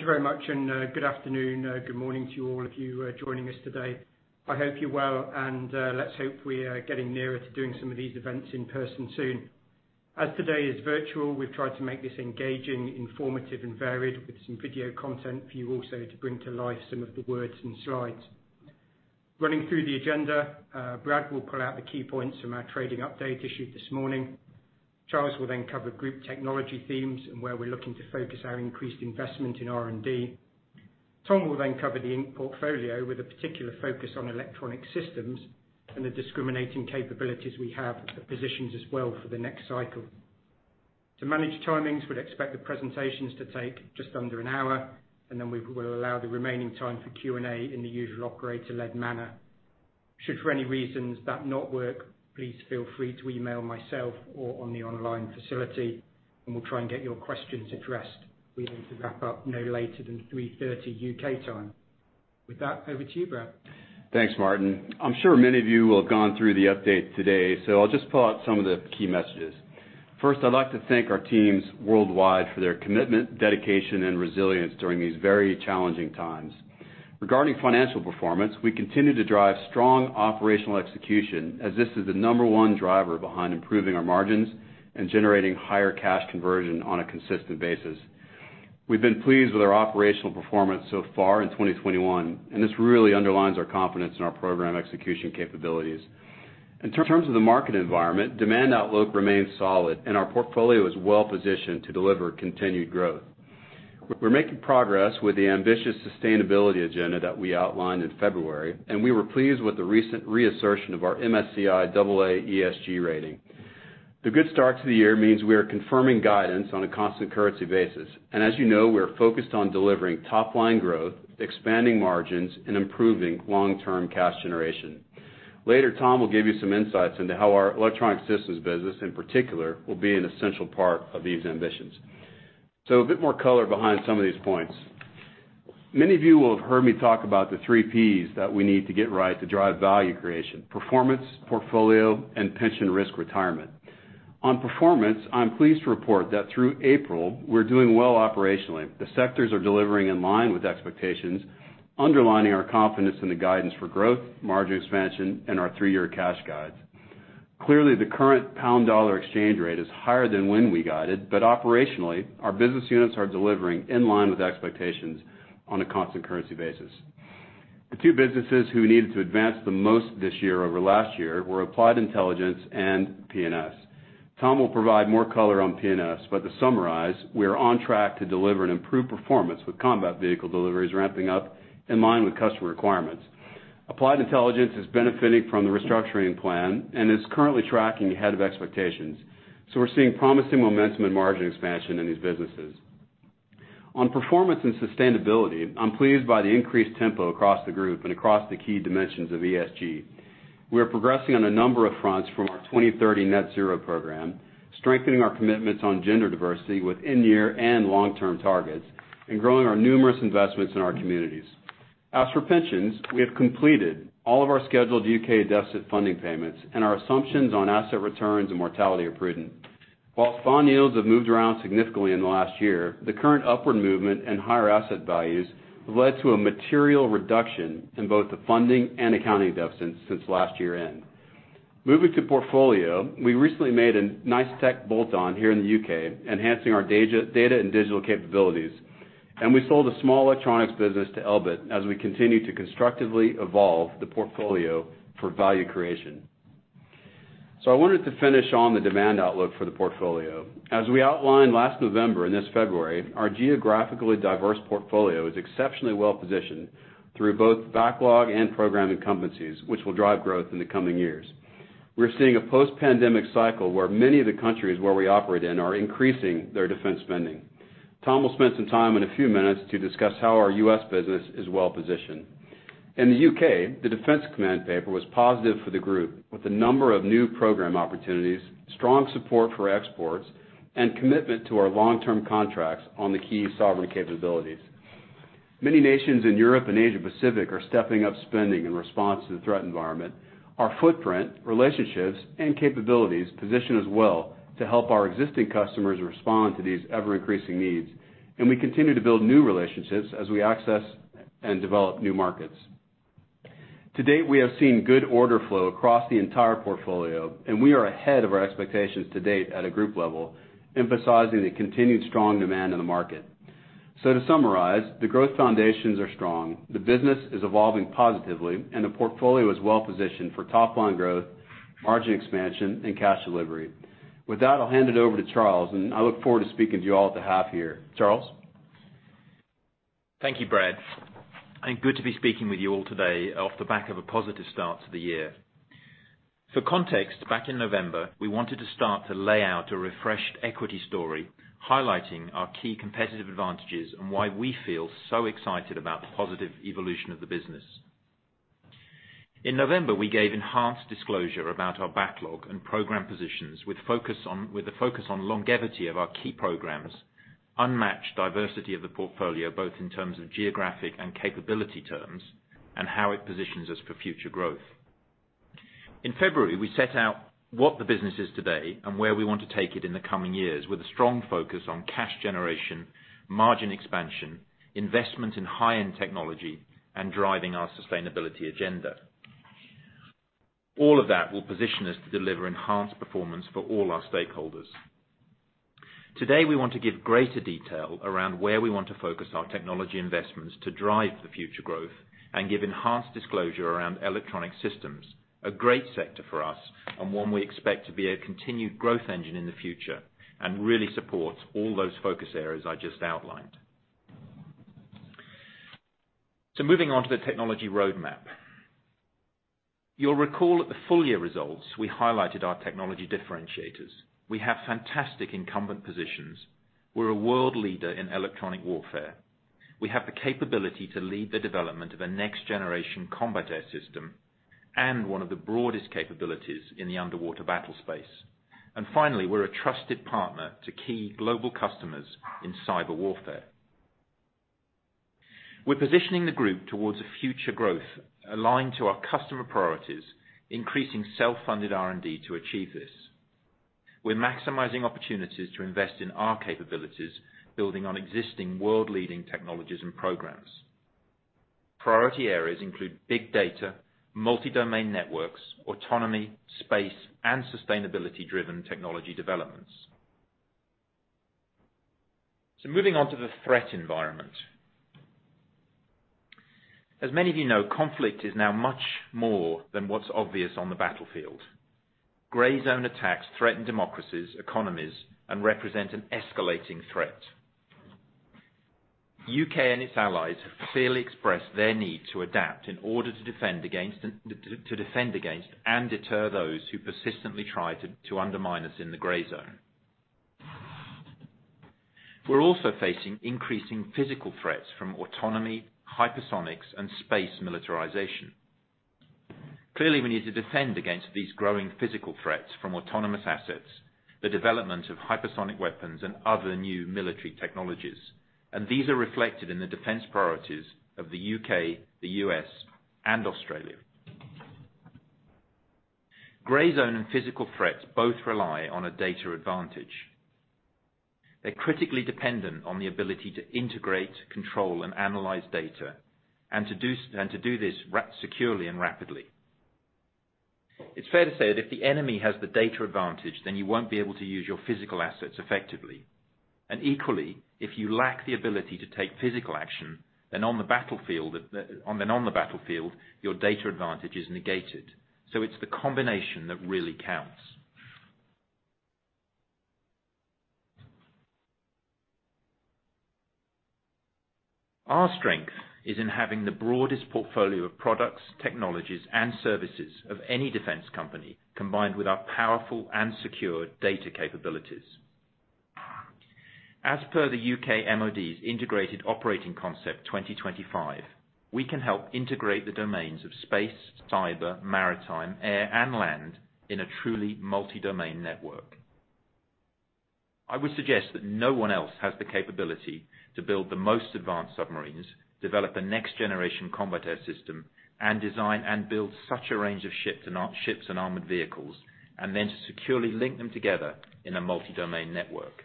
Thank you very much. Good afternoon, good morning to all of you joining us today. I hope you're well, and let's hope we are getting nearer to doing some of these events in person soon. As today is virtual, we've tried to make this engaging, informative, and varied with some video content for you also to bring to life some of the words and slides. Running through the agenda, Brad will pull out the key points from our trading update issued this morning. Charles will cover group technology themes and where we're looking to focus our increased investment in R&D. Tom will cover the portfolio with a particular focus on Electronic Systems and the discriminating capabilities we have that positions us well for the next cycle. To manage timings, we'd expect the presentations to take just under an hour, and then we will allow the remaining time for Q&A in the usual operator-led manner. Should for any reasons that not work, please feel free to email myself or on the online facility, and we'll try and get your questions addressed. We aim to wrap up no later than 3:30 U.K. time. With that, over to you, Brad. Thanks, Martin. I'm sure many of you will have gone through the update today, so I'll just pull out some of the key messages. First, I'd like to thank our teams worldwide for their commitment, dedication, and resilience during these very challenging times. Regarding financial performance, we continue to drive strong operational execution as this is the number one driver behind improving our margins and generating higher cash conversion on a consistent basis. We've been pleased with our operational performance so far in 2021, and this really underlines our confidence in our program execution capabilities. In terms of the market environment, demand outlook remains solid, and our portfolio is well-positioned to deliver continued growth. We're making progress with the ambitious sustainability agenda that we outlined in February, and we were pleased with the recent reassertion of our MSCI AA ESG rating. The good start to the year means we are confirming guidance on a constant currency basis. As you know, we're focused on delivering top-line growth, expanding margins, and improving long-term cash generation. Later, Tom will give you some insights into how our Electronic Systems business in particular will be an essential part of these ambitions. A bit more color behind some of these points. Many of you will have heard me talk about the three Ps that we need to get right to drive value creation: performance, portfolio, and pension risk retirement. On performance, I'm pleased to report that through April, we're doing well operationally. The sectors are delivering in line with expectations, underlining our confidence in the guidance for growth, margin expansion, and our three-year cash guides. The current pound-dollar exchange rate is higher than when we guided, but operationally, our business units are delivering in line with expectations on a constant currency basis. The two businesses who we needed to advance the most this year over last year were Applied Intelligence and P&S. Tom will provide more color on P&S, but to summarize, we are on track to deliver an improved performance with combat vehicle deliveries ramping up in line with customer requirements. Applied Intelligence is benefiting from the restructuring plan and is currently tracking ahead of expectations, so we're seeing promising momentum and margin expansion in these businesses. On performance and sustainability, I'm pleased by the increased tempo across the group and across the key dimensions of ESG. We are progressing on a number of fronts from our 2030 Net Zero Program, strengthening our commitments on gender diversity with in-year and long-term targets, and growing our numerous investments in our communities. As for pensions, we have completed all of our scheduled U.K. deficit funding payments and our assumptions on asset returns and mortality are prudent. While bond yields have moved around significantly in the last year, the current upward movement and higher asset values have led to a material reduction in both the funding and accounting deficits since last year-end. Moving to portfolio, we recently made a nice tech bolt-on here in the U.K., enhancing our data and digital capabilities. We sold a small electronics business to Elbit as we continue to constructively evolve the portfolio for value creation. I wanted to finish on the demand outlook for the portfolio. As we outlined last November and this February, our geographically diverse portfolio is exceptionally well-positioned through both backlog and program competencies, which will drive growth in the coming years. We're seeing a post-pandemic cycle where many of the countries where we operate in are increasing their defence spending. Tom will spend some time in a few minutes to discuss how our U.S. business is well-positioned. In the U.K., the Defence Command Paper was positive for the group with a number of new program opportunities, strong support for exports, and commitment to our long-term contracts on the key sovereign capabilities. Many nations in Europe and Asia Pacific are stepping up spending in response to the threat environment. Our footprint, relationships, and capabilities position us well to help our existing customers respond to these ever-increasing needs, and we continue to build new relationships as we access and develop new markets. To date, we have seen good order flow across the entire portfolio, and we are ahead of our expectations to date at a group level, emphasizing the continued strong demand in the market. To summarize, the growth foundations are strong, the business is evolving positively, and the portfolio is well-positioned for top-line growth, margin expansion, and cash delivery. With that, I'll hand it over to Charles, and I look forward to speaking to you all at the half year. Charles? Thank you, Brad, and good to be speaking with you all today off the back of a positive start to the year. For context, back in November, we wanted to start to lay out a refreshed equity story highlighting our key competitive advantages and why we feel so excited about the positive evolution of the business. In November, we gave enhanced disclosure about our backlog and program positions with a focus on longevity of our key programs, unmatched diversity of the portfolio both in terms of geographic and capability terms, and how it positions us for future growth. In February, we set out what the business is today and where we want to take it in the coming years with a strong focus on cash generation, margin expansion, investment in high-end technology, and driving our sustainability agenda. All of that will position us to deliver enhanced performance for all our stakeholders. Today, we want to give greater detail around where we want to focus our technology investments to drive the future growth and give enhanced disclosure around Electronic Systems, a great sector for us and one we expect to be a continued growth engine in the future and really supports all those focus areas I just outlined. Moving on to the technology roadmap. You'll recall at the full year results, we highlighted our technology differentiators. We have fantastic incumbent positions. We're a world leader in electronic warfare. We have the capability to lead the development of a next-generation combat air system and one of the broadest capabilities in the underwater battlespace. Finally, we're a trusted partner to key global customers in cyber warfare. We're positioning the group towards a future growth aligned to our customer priorities, increasing self-funded R&D to achieve this. We're maximizing opportunities to invest in our capabilities, building on existing world-leading technologies and programs. Priority areas include big data, multi-domain networks, autonomy, space, and sustainability-driven technology developments. Moving on to the threat environment. As many of you know, conflict is now much more than what's obvious on the battlefield. Gray zone attacks threaten democracies, economies, and represent an escalating threat. The U.K. and its allies have clearly expressed their need to adapt in order to defend against and deter those who persistently try to undermine us in the gray zone. We're also facing increasing physical threats from autonomy, hypersonics, and space militarization. Clearly, we need to defend against these growing physical threats from autonomous assets, the development of hypersonic weapons, and other new military technologies. These are reflected in the defense priorities of the U.K., the U.S., and Australia. gray zone and physical threats both rely on a data advantage. They're critically dependent on the ability to integrate, control, and analyze data, and to do this securely and rapidly. It's fair to say that if the enemy has the data advantage, then you won't be able to use your physical assets effectively. Equally, if you lack the ability to take physical action, then on the battlefield, your data advantage is negated. It's the combination that really counts. Our strength is in having the broadest portfolio of products, technologies, and services of any defense company, combined with our powerful and secure data capabilities. As per the U.K. MOD's Integrated Operating Concept 2025, we can help integrate the domains of space, cyber, maritime, air, and land in a truly multi-domain network. I would suggest that no one else has the capability to build the most advanced submarines, develop a next-generation combat air system, and design and build such a range of ships and armored vehicles, and then securely link them together in a multi-domain network.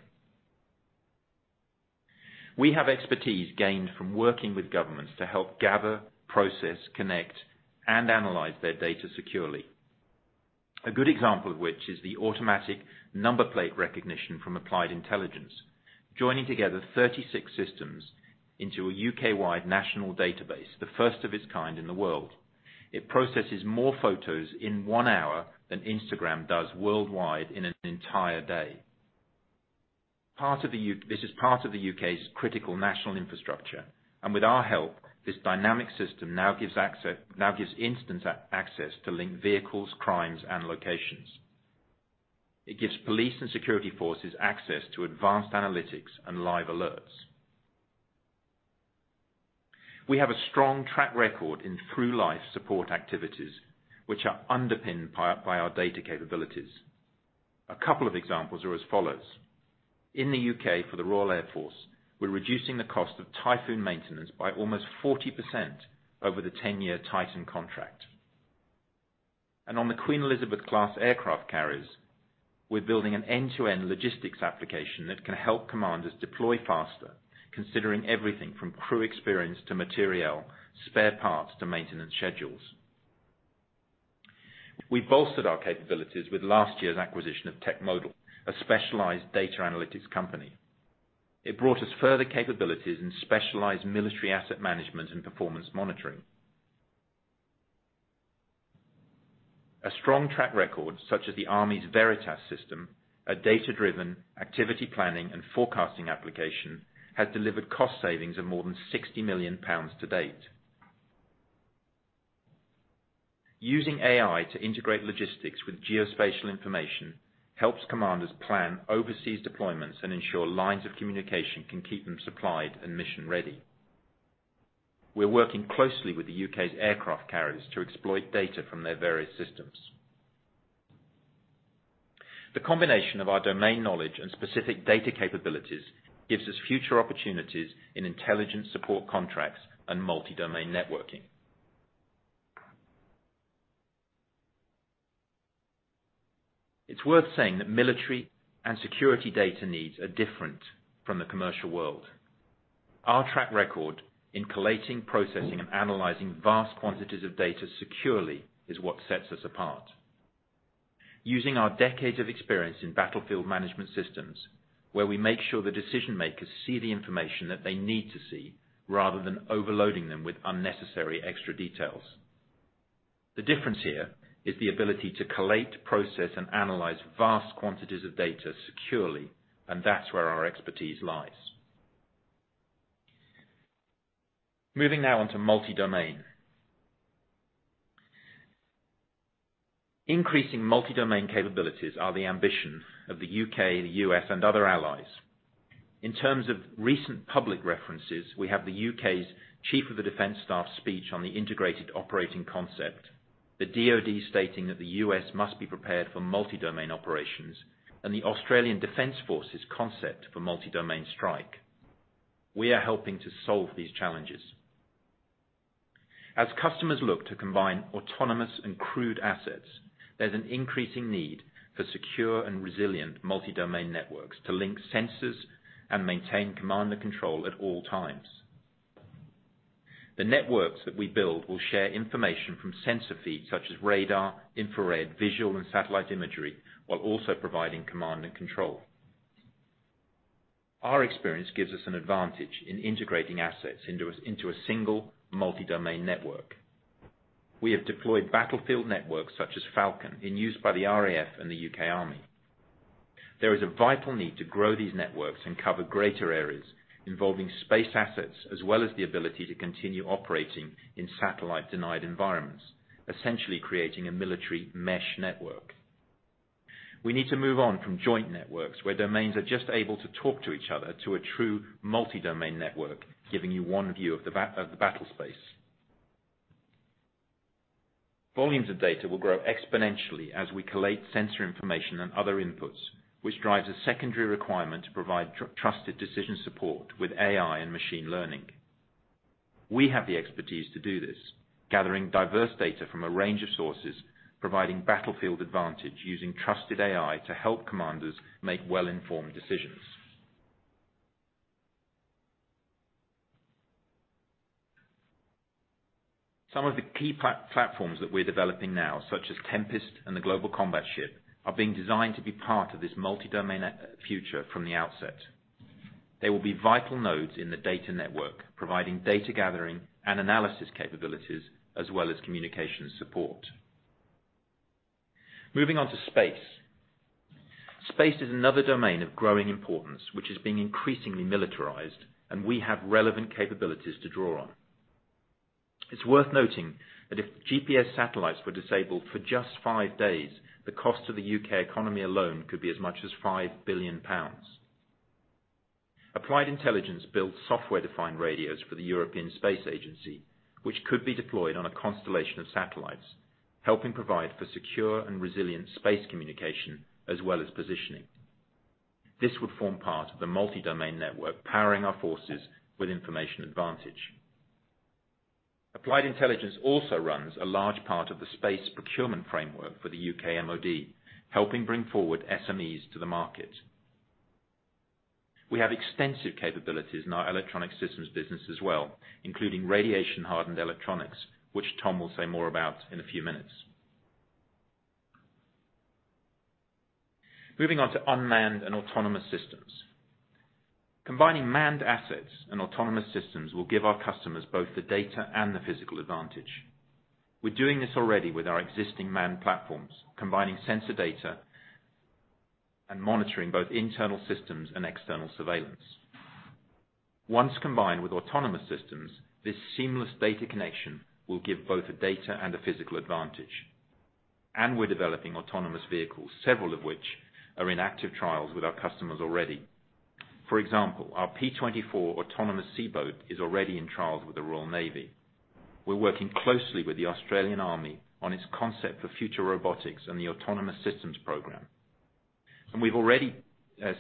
We have expertise gained from working with governments to help gather, process, connect, and analyze their data securely. A good example of which is the automatic number plate recognition from Applied Intelligence, joining together 36 systems into a U.K.-wide national database, the first of its kind in the world. It processes more photos in one hour than Instagram does worldwide in one day. This is part of the U.K.'s critical national infrastructure. With our help, this dynamic system now gives instant access to linked vehicles, crimes, and locations. It gives police and security forces access to advanced analytics and live alerts. We have a strong track record in through-life support activities, which are underpinned by our data capabilities. A couple of examples are as follows. In the U.K., for the Royal Air Force, we're reducing the cost of Typhoon maintenance by almost 40% over the 10-year TyTAN contract. On the Queen Elizabeth-class aircraft carriers, we're building an end-to-end logistics application that can help commanders deploy faster, considering everything from crew experience to materiel, spare parts to maintenance schedules. We bolstered our capabilities with last year's acquisition of Techmodal, a specialized data analytics company. It brought us further capabilities in specialized military asset management and performance monitoring. A strong track record, such as the Army's Veritas system, a data-driven activity planning and forecasting application, has delivered cost savings of more than 60 million pounds to date. Using AI to integrate logistics with geospatial information helps commanders plan overseas deployments and ensure lines of communication can keep them supplied and mission-ready. We're working closely with the U.K.'s aircraft carriers to exploit data from their various systems. The combination of our domain knowledge and specific data capabilities gives us future opportunities in intelligent support contracts and multi-domain networking. It's worth saying that military and security data needs are different from the commercial world. Our track record in collating, processing, and analyzing vast quantities of data securely is what sets us apart. Using our decades of experience in battlefield management systems, where we make sure the decision-makers see the information that they need to see rather than overloading them with unnecessary extra details. The difference here is the ability to collate, process, and analyze vast quantities of data securely, and that's where our expertise lies. Moving now on to multi-domain. Increasing multi-domain capabilities are the ambition of the U.K., the U.S., and other allies. In terms of recent public references, we have the U.K.'s Chief of the Defence Staff speech on the Integrated Operating Concept, the DoD stating that the U.S. must be prepared for multi-domain operations, and the Australian Defence Force's concept for multi-domain strike. We are helping to solve these challenges. As customers look to combine autonomous and crewed assets, there's an increasing need for secure and resilient multi-domain networks to link sensors and maintain command and control at all times. The networks that we build will share information from sensor feeds such as radar, infrared, visual, and satellite imagery, while also providing command and control. Our experience gives us an advantage in integrating assets into a single multi-domain network. We have deployed battlefield networks such as Falcon, in use by the RAF and the U.K. Army. There is a vital need to grow these networks and cover greater areas, involving space assets, as well as the ability to continue operating in satellite-denied environments, essentially creating a military mesh network. We need to move on from joint networks where domains are just able to talk to each other, to a true multi-domain network, giving you one view of the battlespace. Volumes of data will grow exponentially as we collate sensor information and other inputs, which drives a secondary requirement to provide trusted decision support with AI and machine learning. We have the expertise to do this, gathering diverse data from a range of sources, providing battlefield advantage using trusted AI to help commanders make well-informed decisions. Some of the key platforms that we're developing now, such as Tempest and the Global Combat Ship, are being designed to be part of this multi-domain future from the outset. They will be vital nodes in the data network, providing data gathering and analysis capabilities, as well as communication support. Moving on to space. Space is another domain of growing importance, which is being increasingly militarized, and we have relevant capabilities to draw on. It's worth noting that if GPS satellites were disabled for just five days, the cost to the U.K. economy alone could be as much as 5 billion pounds. Applied Intelligence built software-defined radios for the European Space Agency, which could be deployed on a constellation of satellites, helping provide for secure and resilient space communication as well as positioning. This would form part of the multi-domain network powering our forces with information advantage. Applied Intelligence also runs a large part of the space procurement framework for the U.K. MOD, helping bring forward SMEs to the market. We have extensive capabilities in our Electronic Systems business as well, including radiation-hardened electronics, which Tom will say more about in a few minutes. Moving on to unmanned and autonomous systems. Combining manned assets and autonomous systems will give our customers both the data and the physical advantage. We're doing this already with our existing manned platforms, combining sensor data and monitoring both internal systems and external surveillance. Once combined with autonomous systems, this seamless data connection will give both a data and a physical advantage. We're developing autonomous vehicles, several of which are in active trials with our customers already. For example, our Pacific 24 Autonomous Sea Boat is already in trials with the Royal Navy. We're working closely with the Australian Army on its concept for future robotics and the autonomous systems program. We've already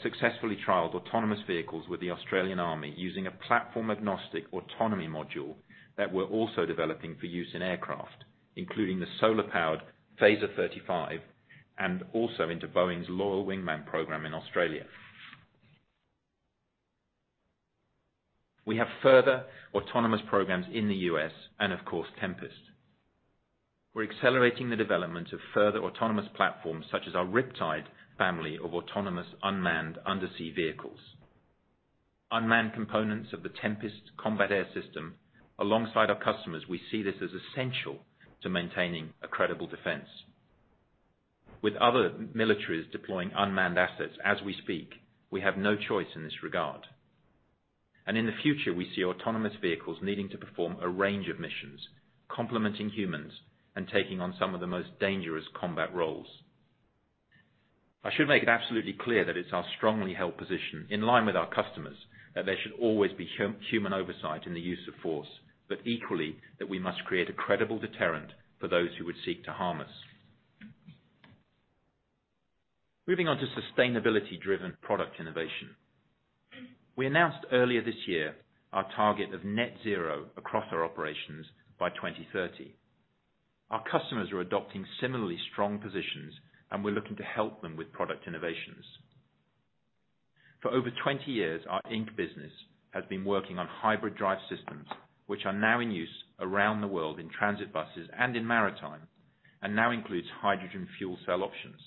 successfully trialed autonomous vehicles with the Australian Army using a platform-agnostic autonomy module that we're also developing for use in aircraft, including the solar-powered PHASA-35, and also into Boeing's Loyal Wingman program in Australia. We have further autonomous programs in the U.S. and, of course, Tempest. We're accelerating the development of further autonomous platforms, such as our Riptide family of autonomous unmanned undersea vehicles. Unmanned components of the Tempest combat air system, alongside our customers, we see this as essential to maintaining a credible defense. With other militaries deploying unmanned assets as we speak, we have no choice in this regard. In the future, we see autonomous vehicles needing to perform a range of missions, complementing humans and taking on some of the most dangerous combat roles. I should make it absolutely clear that it's our strongly held position, in line with our customers, that there should always be human oversight in the use of force, but equally, that we must create a credible deterrent for those who would seek to harm us. Moving on to sustainability-driven product innovation. We announced earlier this year our target of net zero across our operations by 2030. Our customers are adopting similarly strong positions. We're looking to help them with product innovations. For over 20 years, our Inc. business has been working on hybrid drive systems, which are now in use around the world in transit buses and in maritime, and now includes hydrogen fuel cell options.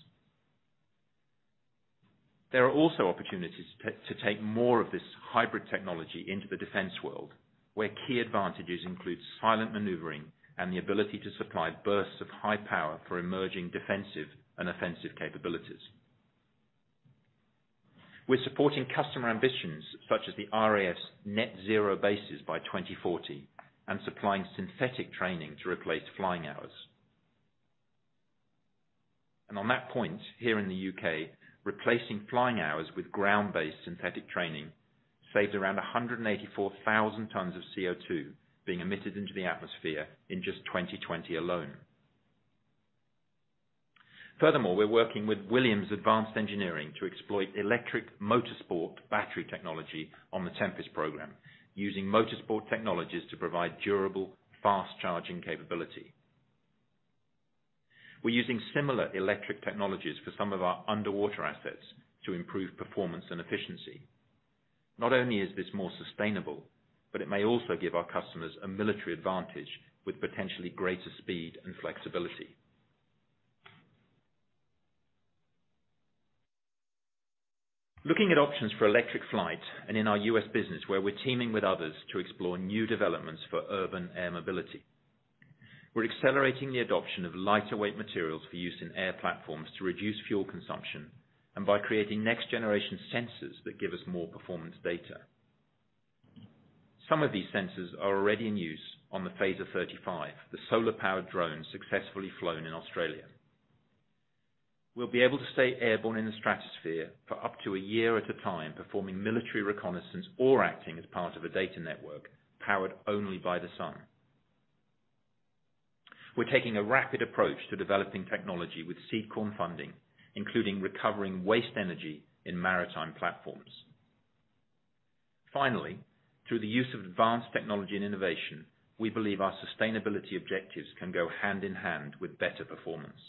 There are also opportunities to take more of this hybrid technology into the defense world, where key advantages include silent maneuvering and the ability to supply bursts of high power for emerging defensive and offensive capabilities. We're supporting customer ambitions such as the RAF's Net Zero bases by 2040 and supplying synthetic training to replace flying hours. On that point, here in the U.K., replacing flying hours with ground-based synthetic training saved around 184,000 tons of CO2 being emitted into the atmosphere in just 2020 alone. Furthermore, we're working with Williams Advanced Engineering to exploit electric motorsport battery technology on the Tempest program, using motorsport technologies to provide durable, fast-charging capability. We're using similar electric technologies for some of our underwater assets to improve performance and efficiency. Not only is this more sustainable, but it may also give our customers a military advantage with potentially greater speed and flexibility. Looking at options for electric flight and in our U.S. business, where we're teaming with others to explore new developments for urban air mobility. We're accelerating the adoption of lighter-weight materials for use in air platforms to reduce fuel consumption and by creating next-generation sensors that give us more performance data. Some of these sensors are already in use on the PHASA-35, the solar-powered drone successfully flown in Australia. We'll be able to stay airborne in the stratosphere for up to a year at a time, performing military reconnaissance or acting as part of a data network powered only by the sun. We're taking a rapid approach to developing technology with seed corn funding, including recovering waste energy in maritime platforms. Finally, through the use of advanced technology and innovation, we believe our sustainability objectives can go hand in hand with better performance.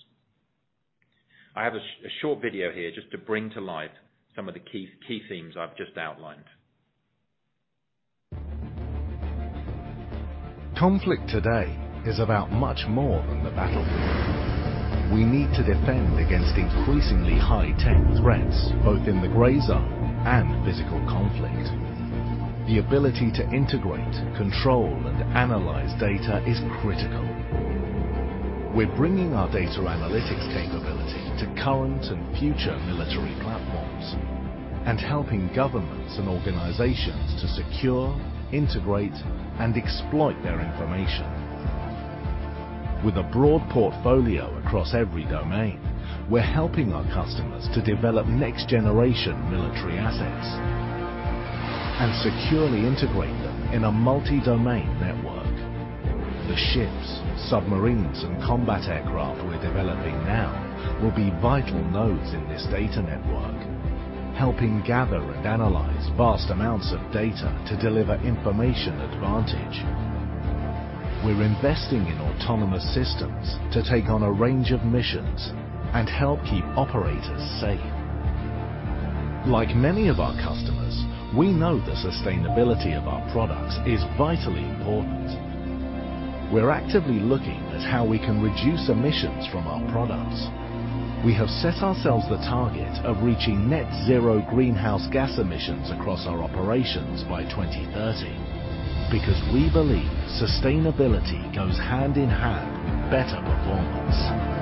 I have a short video here just to bring to life some of the key themes I've just outlined. Conflict today is about much more than the battlefield. We need to defend against increasingly high-tech threats, both in the gray zone and physical conflict. The ability to integrate, control, and analyze data is critical. We're bringing our data analytics capability to current and future military platforms and helping governments and organizations to secure, integrate, and exploit their information. With a broad portfolio across every domain, we're helping our customers to develop next-generation military assets and securely integrate them in a multi-domain network. The ships, submarines, and combat aircraft we're developing now will be vital nodes in this data network, helping gather and analyze vast amounts of data to deliver information advantage. We're investing in autonomous systems to take on a range of missions and help keep operators safe. Like many of our customers, we know the sustainability of our products is vitally important. We're actively looking at how we can reduce emissions from our products. We have set ourselves the target of reaching net-zero greenhouse gas emissions across our operations by 2030 because we believe sustainability goes hand in hand with better performance.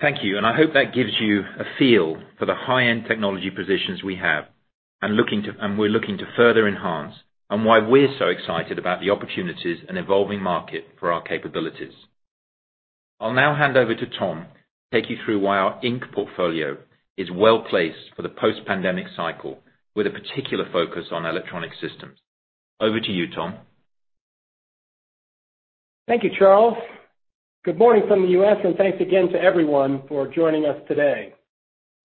Thank you, and I hope that gives you a feel for the high-end technology positions we have and we're looking to further enhance and why we're so excited about the opportunities and evolving market for our capabilities. I'll now hand over to Tom to take you through why our Inc. portfolio is well-placed for the post-pandemic cycle with a particular focus on Electronic Systems. Over to you, Tom. Thank you, Charles. Good morning from the U.S., and thanks again to everyone for joining us today.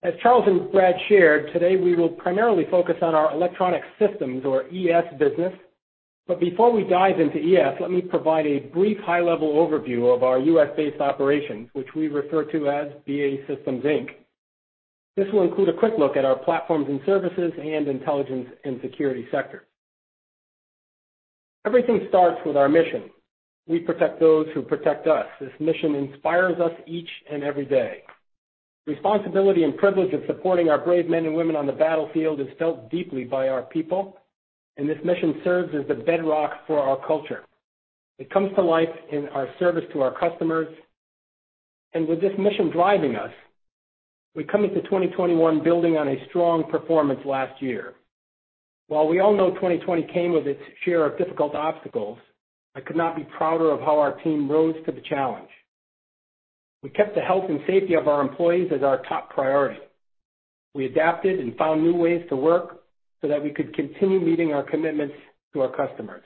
As Charles and Brad shared, today, we will primarily focus on our Electronic Systems or ES business. Before we dive into ES, let me provide a brief high-level overview of our U.S.-based operations, which we refer to as BAE Systems, Inc. This will include a quick look at our Platforms & Services and Intelligence & Security sector. Everything starts with our mission. We protect those who protect us. This mission inspires us each and every day. Responsibility and privilege of supporting our brave men and women on the battlefield is felt deeply by our people, and this mission serves as the bedrock for our culture. It comes to life in our service to our customers. With this mission driving us, we come into 2021 building on a strong performance last year. While we all know 2020 came with its share of difficult obstacles, I could not be prouder of how our team rose to the challenge. We kept the health and safety of our employees as our top priority. We adapted and found new ways to work so that we could continue meeting our commitments to our customers.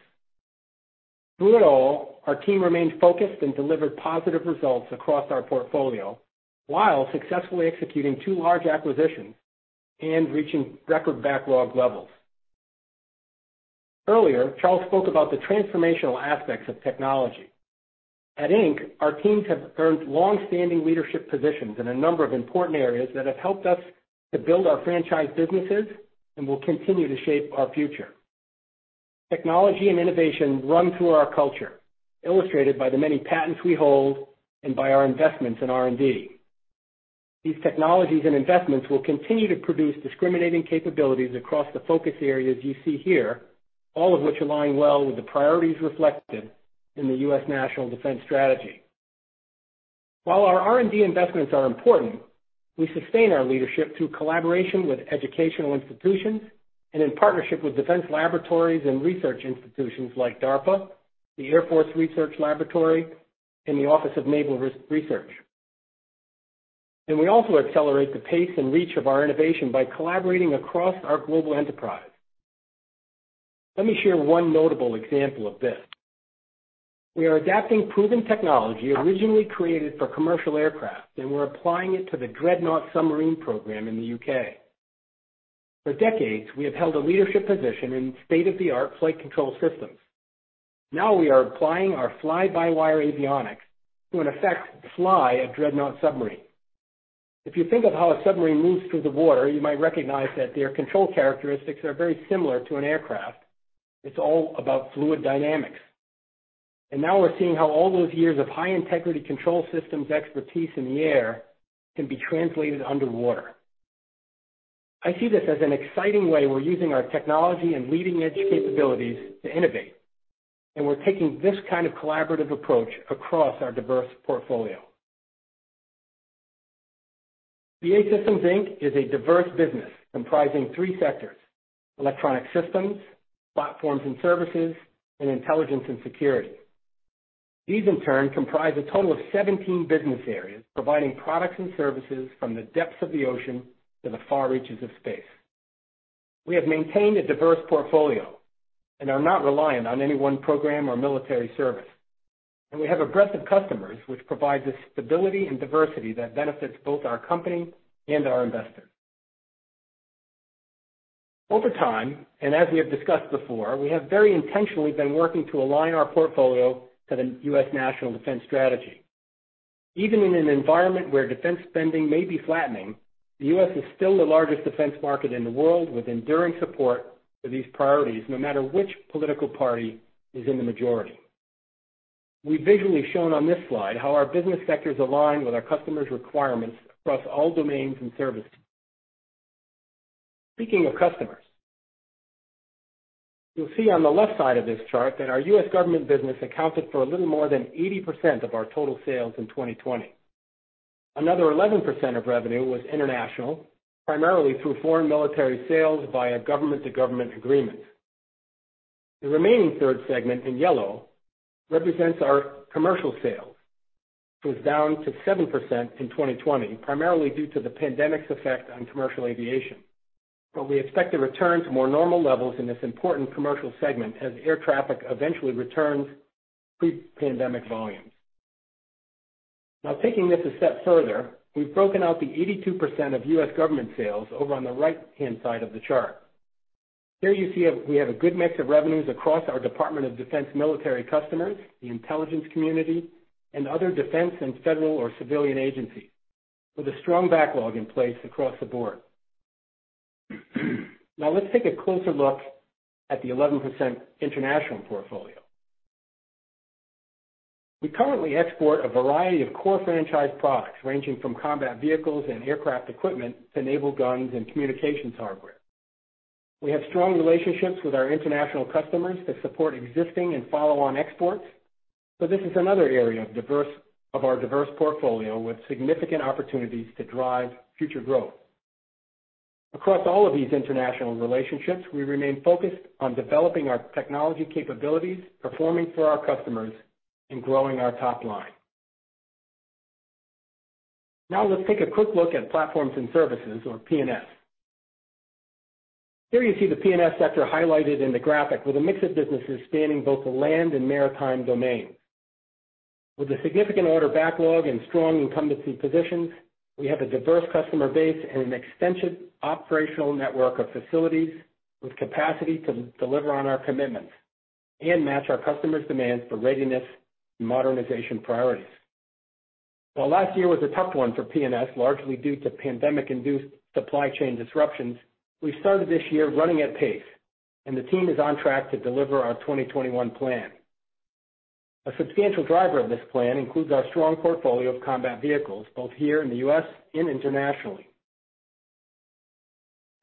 Through it all, our team remained focused and delivered positive results across our portfolio while successfully executing two large acquisitions and reaching record backlog levels. Earlier, Charles spoke about the transformational aspects of technology. At Inc, our teams have earned longstanding leadership positions in a number of important areas that have helped us to build our franchise businesses and will continue to shape our future. Technology and innovation run through our culture, illustrated by the many patents we hold and by our investments in R&D. These technologies and investments will continue to produce discriminating capabilities across the focus areas you see here, all of which align well with the priorities reflected in the U.S. National Defense Strategy. While our R&D investments are important, we sustain our leadership through collaboration with educational institutions and in partnership with defense laboratories and research institutions like DARPA, the Air Force Research Laboratory, and the Office of Naval Research. We also accelerate the pace and reach of our innovation by collaborating across our global enterprise. Let me share one notable example of this. We are adapting proven technology originally created for commercial aircraft, and we're applying it to the Dreadnought submarine program in the U.K. For decades, we have held a leadership position in state-of-the-art flight control systems. Now we are applying our fly-by-wire avionics to, in effect, fly a Dreadnought submarine. If you think of how a submarine moves through the water, you might recognize that their control characteristics are very similar to an aircraft. It's all about fluid dynamics. Now we're seeing how all those years of high-integrity control systems expertise in the air can be translated underwater. I see this as an exciting way we're using our technology and leading-edge capabilities to innovate, and we're taking this kind of collaborative approach across our diverse portfolio. BAE Systems Inc. is a diverse business comprising three sectors: Electronic Systems, Platforms & Services, and Intelligence & Security. These, in turn, comprise a total of 17 business areas providing products and services from the depths of the ocean to the far reaches of space. We have maintained a diverse portfolio and are not reliant on any one program or military service, and we have a breadth of customers which provides a stability and diversity that benefits both our company and our investors. Over time, and as we have discussed before, we have very intentionally been working to align our portfolio to the U.S. National Defense Strategy. Even in an environment where defense spending may be flattening, the U.S. is still the largest defense market in the world with enduring support for these priorities, no matter which political party is in the majority. We've visually shown on this slide how our business sectors align with our customers' requirements across all domains and services. Speaking of customers, you'll see on the left side of this chart that our U.S. government business accounted for a little more than 80% of our total sales in 2020. Another 11% of revenue was international, primarily through foreign military sales via government-to-government agreement. The remaining third segment in yellow represents our commercial sales, which was down to 7% in 2020, primarily due to the pandemic's effect on commercial aviation. We expect a return to more normal levels in this important commercial segment as air traffic eventually returns to pre-pandemic volumes. Taking this a step further, we've broken out the 82% of U.S. government sales over on the right-hand side of the chart. There you see we have a good mix of revenues across our Department of Defense military customers, the intelligence community, and other defense and federal or civilian agencies with a strong backlog in place across the board. Let's take a closer look at the 11% international portfolio. We currently export a variety of core franchise products ranging from combat vehicles and aircraft equipment to naval guns and communications hardware. We have strong relationships with our international customers that support existing and follow-on exports. This is another area of our diverse portfolio with significant opportunities to drive future growth. Across all of these international relationships, we remain focused on developing our technology capabilities, performing for our customers, and growing our top line. Let's take a quick look at Platforms & Services or P&S. Here you see the P&S sector highlighted in the graphic with a mix of businesses spanning both the land and maritime domains. With a significant order backlog and strong incumbency positions, we have a diverse customer base and an extensive operational network of facilities with capacity to deliver on our commitments and match our customers' demands for readiness and modernization priorities. While last year was a tough one for P&S, largely due to pandemic-induced supply chain disruptions, we started this year running at pace, and the team is on track to deliver our 2021 plan. A substantial driver of this plan includes our strong portfolio of combat vehicles, both here in the U.S. and internationally.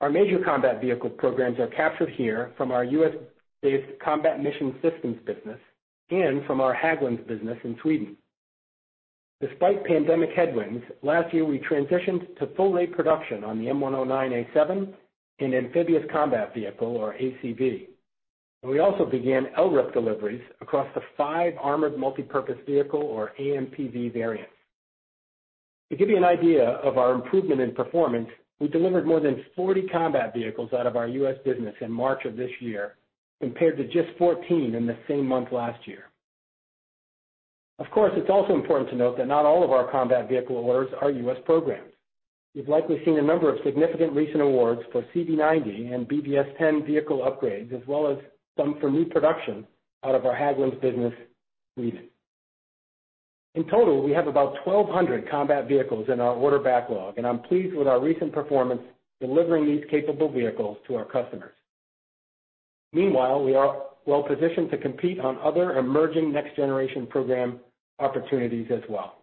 Our major combat vehicle programs are captured here from our US-based combat mission systems business and from our Hägglunds business in Sweden. Despite pandemic headwinds, last year we transitioned to full rate production on the M109A7 and Amphibious Combat Vehicle or ACV. We also began LRIP deliveries across the five Armored Multi-Purpose Vehicle, or AMPV variants. To give you an idea of our improvement in performance, we delivered more than 40 combat vehicles out of our U.S. business in March of this year, compared to just 14 in the same month last year. Of course, it's also important to note that not all of our combat vehicle orders are U.S. programs. You've likely seen a number of significant recent awards for CV90 and BvS10 vehicle upgrades, as well as some for new production out of our Hägglunds business recently. In total, we have about 1,200 combat vehicles in our order backlog, and I'm pleased with our recent performance delivering these capable vehicles to our customers. Meanwhile, we are well-positioned to compete on other emerging next-generation program opportunities as well.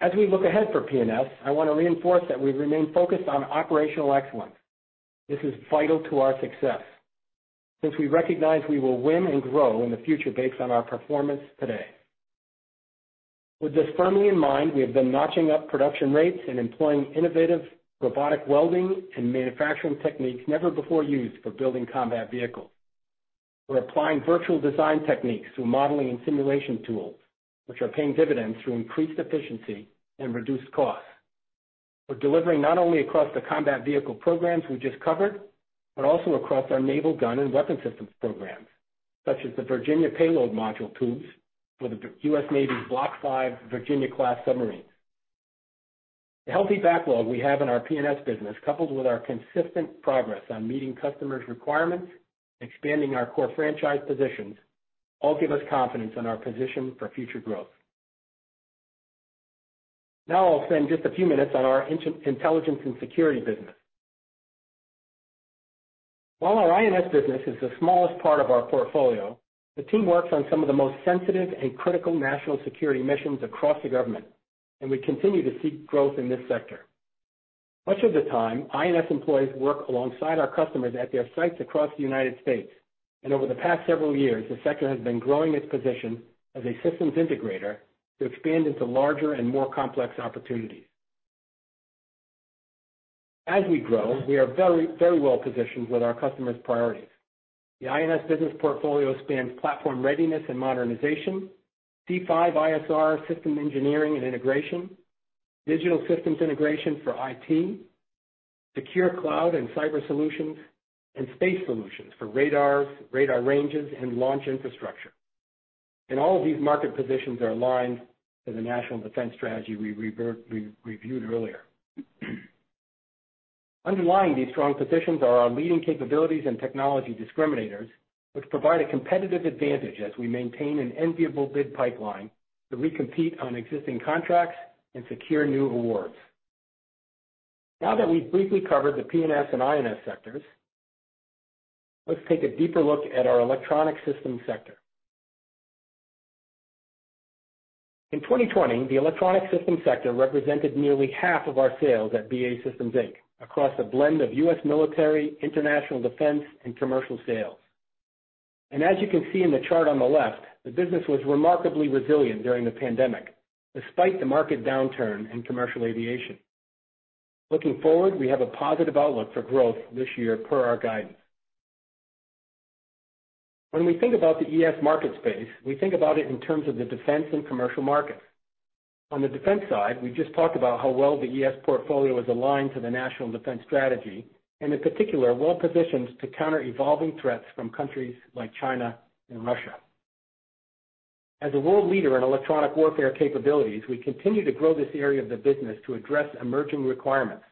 As we look ahead for P&S, I want to reinforce that we remain focused on operational excellence. This is vital to our success, since we recognize we will win and grow in the future based on our performance today. With this firmly in mind, we have been notching up production rates and employing innovative robotic welding and manufacturing techniques never before used for building combat vehicles. We're applying virtual design techniques through modeling and simulation tools, which are paying dividends through increased efficiency and reduced costs. We're delivering not only across the combat vehicle programs we just covered, but also across our naval gun and weapon systems programs, such as the Virginia Payload Module tubes for the U.S. Navy's Block 5 Virginia-class submarines. The healthy backlog we have in our P&S business, coupled with our consistent progress on meeting customers' requirements, expanding our core franchise positions, all give us confidence in our position for future growth. Now I'll spend just a few minutes on our Intelligence & Security business. While our I&S business is the smallest part of our portfolio, the team works on some of the most sensitive and critical national security missions across the government. We continue to seek growth in this sector. Much of the time, I&S employees work alongside our customers at their sites across the United States. Over the past several years, the sector has been growing its position as a systems integrator to expand into larger and more complex opportunities. As we grow, we are very well positioned with our customers' priorities. The I&S business portfolio spans platform readiness and modernization, C5ISR system engineering and integration, digital systems integration for IT, secure cloud and cyber solutions, and space solutions for radars, radar ranges, and launch infrastructure. All of these market positions are aligned to the National Defense Strategy we reviewed earlier. Underlying these strong positions are our leading capabilities and technology discriminators, which provide a competitive advantage as we maintain an enviable bid pipeline to re-compete on existing contracts and secure new awards. We've briefly covered the P&S and I&S sectors, let's take a deeper look at our Electronic Systems sector. In 2020, the Electronic Systems sector represented nearly half of our sales at BAE Systems Inc, across a blend of U.S. military, international defense, and commercial sales. You can see in the chart on the left, the business was remarkably resilient during the pandemic, despite the market downturn in commercial aviation. Looking forward, we have a positive outlook for growth this year per our guidance. When we think about the ES market space, we think about it in terms of the defense and commercial markets. On the defense side, we just talked about how well the ES portfolio is aligned to the National Defense Strategy, and in particular, well-positioned to counter evolving threats from countries like China and Russia. As a world leader in electronic warfare capabilities, we continue to grow this area of the business to address emerging requirements,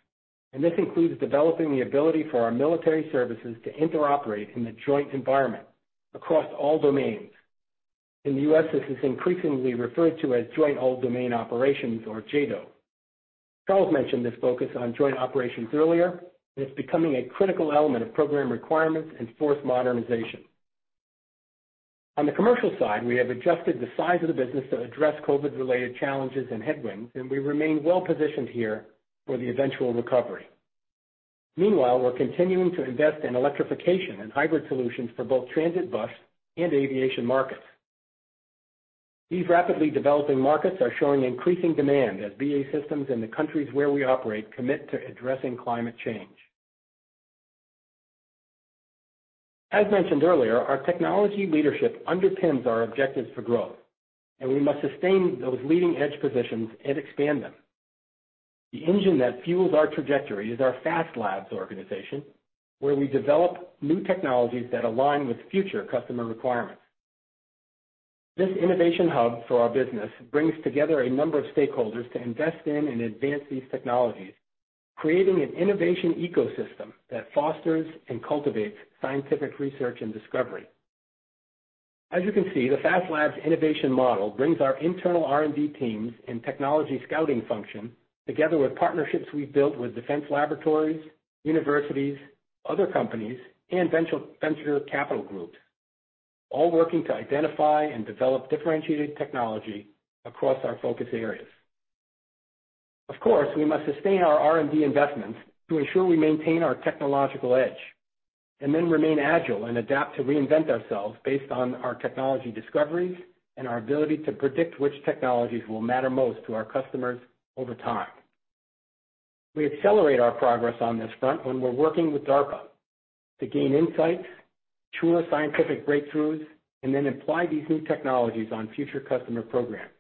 and this includes developing the ability for our military services to interoperate in a joint environment across all domains. In the U.S., this is increasingly referred to as Joint All-Domain Operations, or JADO. Charles mentioned this focus on joint operations earlier, and it's becoming a critical element of program requirements and force modernization. On the commercial side, we have adjusted the size of the business to address COVID-related challenges and headwinds, and we remain well-positioned here for the eventual recovery. Meanwhile, we're continuing to invest in electrification and hybrid solutions for both transit bus and aviation markets. These rapidly developing markets are showing increasing demand as BAE Systems and the countries where we operate commit to addressing climate change. As mentioned earlier, our technology leadership underpins our objectives for growth, and we must sustain those leading-edge positions and expand them. The engine that fuels our trajectory is our FAST Labs organization, where we develop new technologies that align with future customer requirements. This innovation hub for our business brings together a number of stakeholders to invest in and advance these technologies, creating an innovation ecosystem that fosters and cultivates scientific research and discovery. As you can see, the FAST Labs innovation model brings our internal R&D teams and technology scouting function together with partnerships we've built with defense laboratories, universities, other companies, and venture capital groups, all working to identify and develop differentiated technology across our focus areas. Of course, we must sustain our R&D investments to ensure we maintain our technological edge, and then remain agile and adapt to reinvent ourselves based on our technology discoveries and our ability to predict which technologies will matter most to our customers over time. We accelerate our progress on this front when we're working with DARPA to gain insights, fuel scientific breakthroughs, and then apply these new technologies on future customer programs.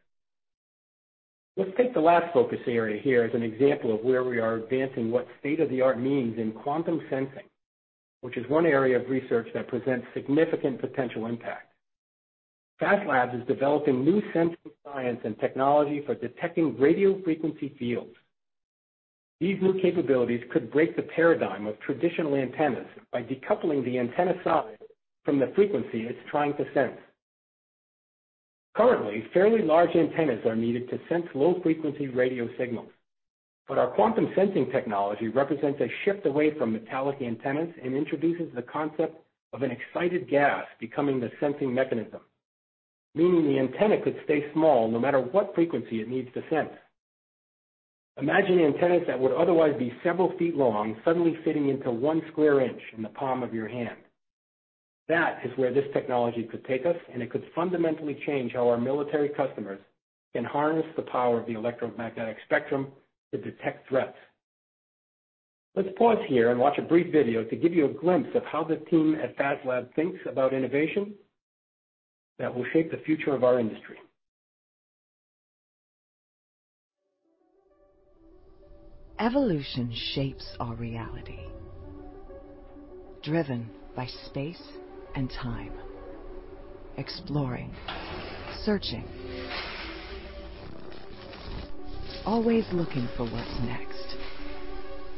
Let's take the last focus area here as an example of where we are advancing what state-of-the-art means in quantum sensing, which is one area of research that presents significant potential impact. FAST Labs is developing new sensory science and technology for detecting radio frequency fields. These new capabilities could break the paradigm of traditional antennas by decoupling the antenna size from the frequency it's trying to sense. Currently, fairly large antennas are needed to sense low-frequency radio signals. Our quantum sensing technology represents a shift away from metallic antennas and introduces the concept of an excited gas becoming the sensing mechanism, meaning the antenna could stay small no matter what frequency it needs to sense. Imagine antennas that would otherwise be several feet long, suddenly fitting into 1 sq in in the palm of your hand. That is where this technology could take us, and it could fundamentally change how our military customers can harness the power of the electromagnetic spectrum to detect threats. Let's pause here and watch a brief video to give you a glimpse of how the team at FAST Labs thinks about innovation that will shape the future of our industry. Evolution shapes our reality, driven by space and time. Exploring, searching, always looking for what's next.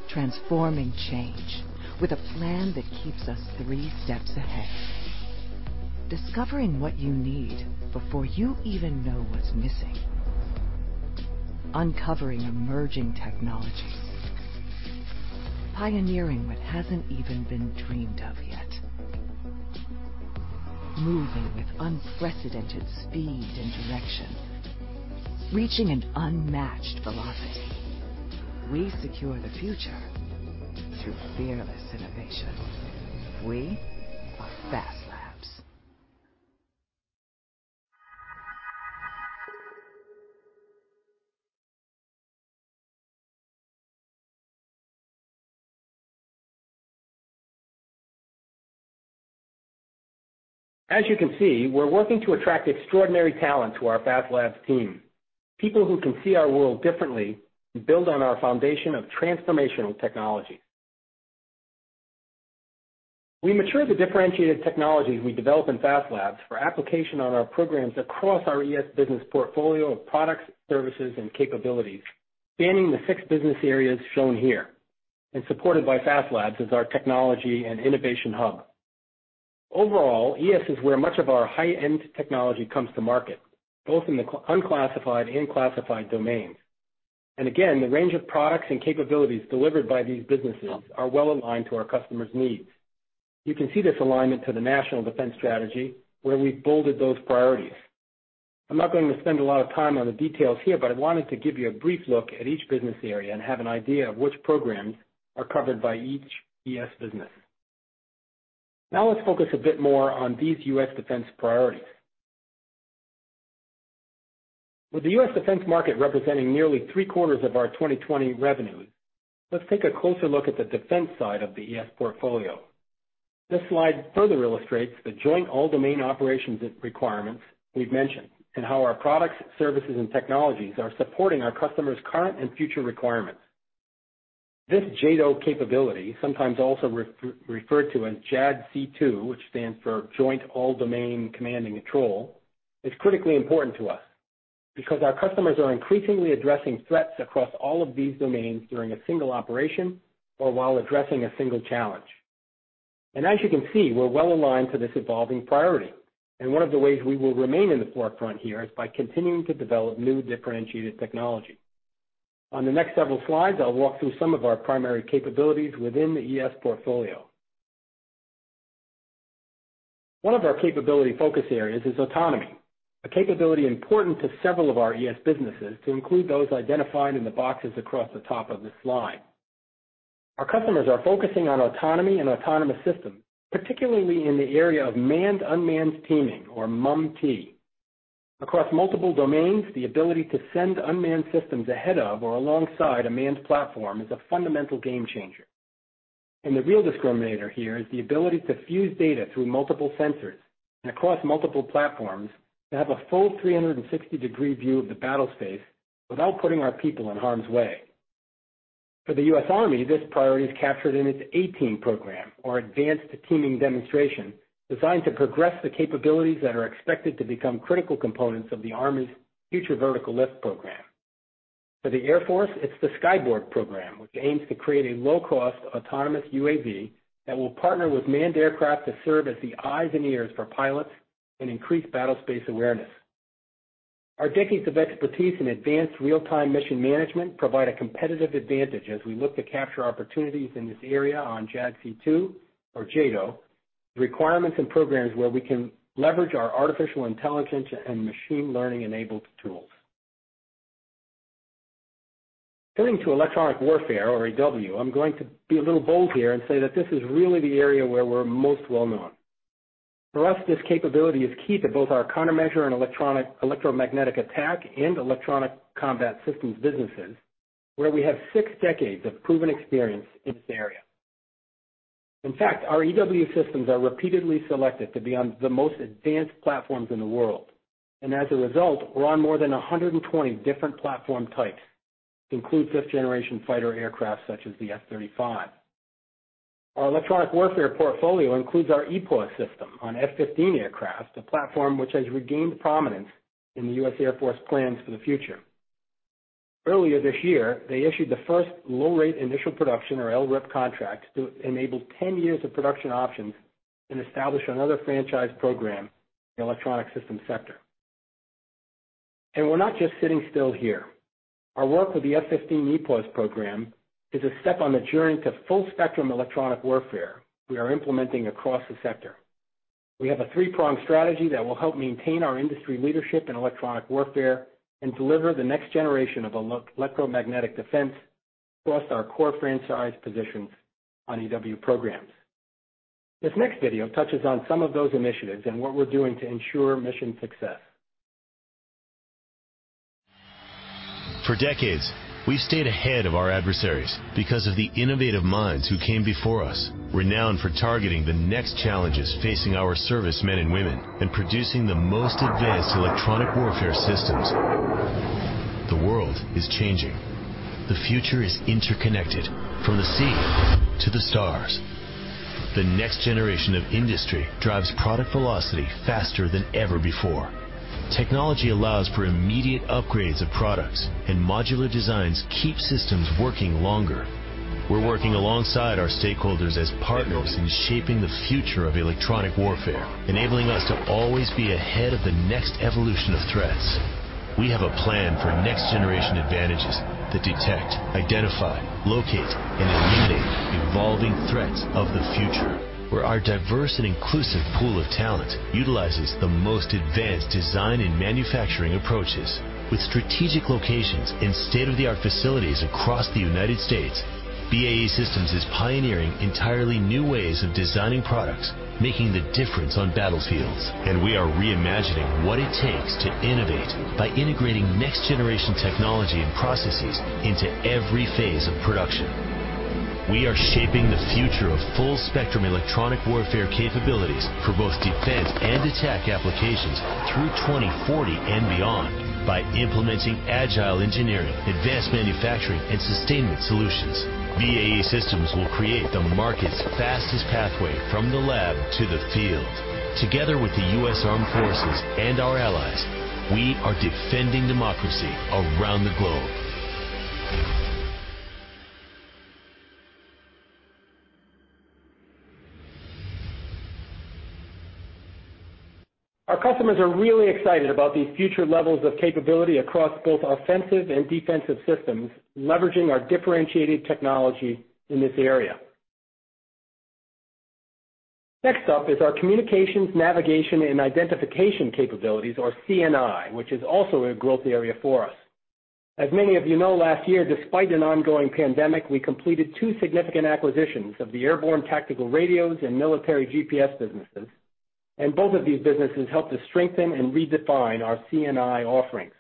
Transforming change with a plan that keeps us three steps ahead. Discovering what you need before you even know what's missing. Uncovering emerging technologies. Pioneering what hasn't even been dreamed of yet. Moving with unprecedented speed and direction, reaching an unmatched velocity. We secure the future through fearless innovation. We are FAST Labs. As you can see, we're working to attract extraordinary talent to our FAST Labs team, people who can see our world differently and build on our foundation of transformational technology. We mature the differentiated technologies we develop in FAST Labs for application on our programs across our ES business portfolio of products, services, and capabilities, spanning the six business areas shown here, and supported by FAST Labs as our technology and innovation hub. Overall, ES is where much of our high-end technology comes to market, both in the unclassified and classified domains. Again, the range of products and capabilities delivered by these businesses are well-aligned to our customers' needs. You can see this alignment to the National Defense Strategy where we've bolded those priorities. I'm not going to spend a lot of time on the details here, but I wanted to give you a brief look at each business area and have an idea of which programs are covered by each ES business. Let's focus a bit more on these U.S. defense priorities. With the U.S. defense market representing nearly three-quarters of our 2020 revenues, let's take a closer look at the defense side of the ES portfolio. This slide further illustrates the Joint All-Domain Operations requirements we've mentioned, and how our products, services, and technologies are supporting our customers' current and future requirements. This JADO capability, sometimes also referred to as JADC2, which stands for Joint All-Domain Command and Control, is critically important to us because our customers are increasingly addressing threats across all of these domains during a single operation or while addressing a single challenge. As you can see, we're well-aligned to this evolving priority, and one of the ways we will remain in the forefront here is by continuing to develop new differentiated technology. On the next several slides, I'll walk through some of our primary capabilities within the ES portfolio. One of our capability focus areas is autonomy, a capability important to several of our ES businesses, to include those identified in the boxes across the top of this slide. Our customers are focusing on autonomy and autonomous systems, particularly in the area of manned-unmanned teaming, or MUM-T. Across multiple domains, the ability to send unmanned systems ahead of or alongside a manned platform is a fundamental game changer. The real differentiator here is the ability to fuse data through multiple sensors and across multiple platforms to have a full 360-degree view of the battlespace without putting our people in harm's way. For the U.S. Army, this priority is captured in its A-Team program, or Advanced Teaming Demonstration, designed to progress the capabilities that are expected to become critical components of the Army's Future Vertical Lift program. For the Air Force, it's the Skyborg program, which aims to create a low-cost autonomous UAV that will partner with manned aircraft to serve as the eyes and ears for pilots and increase battlespace awareness. Our decades of expertise in advanced real-time mission management provide a competitive advantage as we look to capture opportunities in this area on JADC2 or JADO, the requirements and programs where we can leverage our artificial intelligence and machine learning enabled tools. Turning to electronic warfare, or EW, I'm going to be a little bold here and say that this is really the area where we're most well known. For us, this capability is key to both our countermeasure and electromagnetic attack and electronic combat systems businesses, where we have six decades of proven experience in this area. In fact, our EW systems are repeatedly selected to be on the most advanced platforms in the world, and as a result, we're on more than 120 different platform types, to include fifth-generation fighter aircraft such as the F-35. Our electronic warfare portfolio includes our EPAWSS system on F-15 aircraft, a platform which has regained prominence in the U.S. Air Force plans for the future. Earlier this year, they issued the first low-rate initial production, or LRIP contract, to enable 10 years of production options and establish another franchise program in the Electronic Systems sector. We're not just sitting still here. Our work with the F-15 EPAWSS program is a step on the journey to full-spectrum electronic warfare we are implementing across the sector. We have a three-pronged strategy that will help maintain our industry leadership in electronic warfare and deliver the next generation of electromagnetic defense, plus our core franchise positions on EW programs. This next video touches on some of those initiatives and what we're doing to ensure mission success. For decades, we've stayed ahead of our adversaries because of the innovative minds who came before us, renowned for targeting the next challenges facing our servicemen and women and producing the most advanced electronic warfare systems. The world is changing. The future is interconnected from the sea to the stars. The next generation of industry drives product velocity faster than ever before. Technology allows for immediate upgrades of products, and modular designs keep systems working longer. We're working alongside our stakeholders as partners in shaping the future of electronic warfare, enabling us to always be ahead of the next evolution of threats. We have a plan for next-generation advantages that detect, identify, locate, and eliminate evolving threats of the future, where our diverse and inclusive pool of talent utilizes the most advanced design and manufacturing approaches. With strategic locations and state-of-the-art facilities across the United States, BAE Systems is pioneering entirely new ways of designing products, making the difference on battlefields, and we are reimagining what it takes to innovate by integrating next-generation technology and processes into every phase of production. We are shaping the future of full-spectrum electronic warfare capabilities for both defense and attack applications through 2040 and beyond by implementing agile engineering, advanced manufacturing, and sustainment solutions. BAE Systems will create the market's fastest pathway from the lab to the field. Together with the U.S. Armed Forces and our allies, we are defending democracy around the globe. Our customers are really excited about these future levels of capability across both offensive and defensive systems, leveraging our differentiated technology in this area. Next up is our communications, navigation, and identification capabilities, or CNI, which is also a growth area for us. As many of you know, last year, despite an ongoing pandemic, we completed two significant acquisitions of the airborne tactical radios and military GPS businesses, and both of these businesses helped to strengthen and redefine our CNI offerings.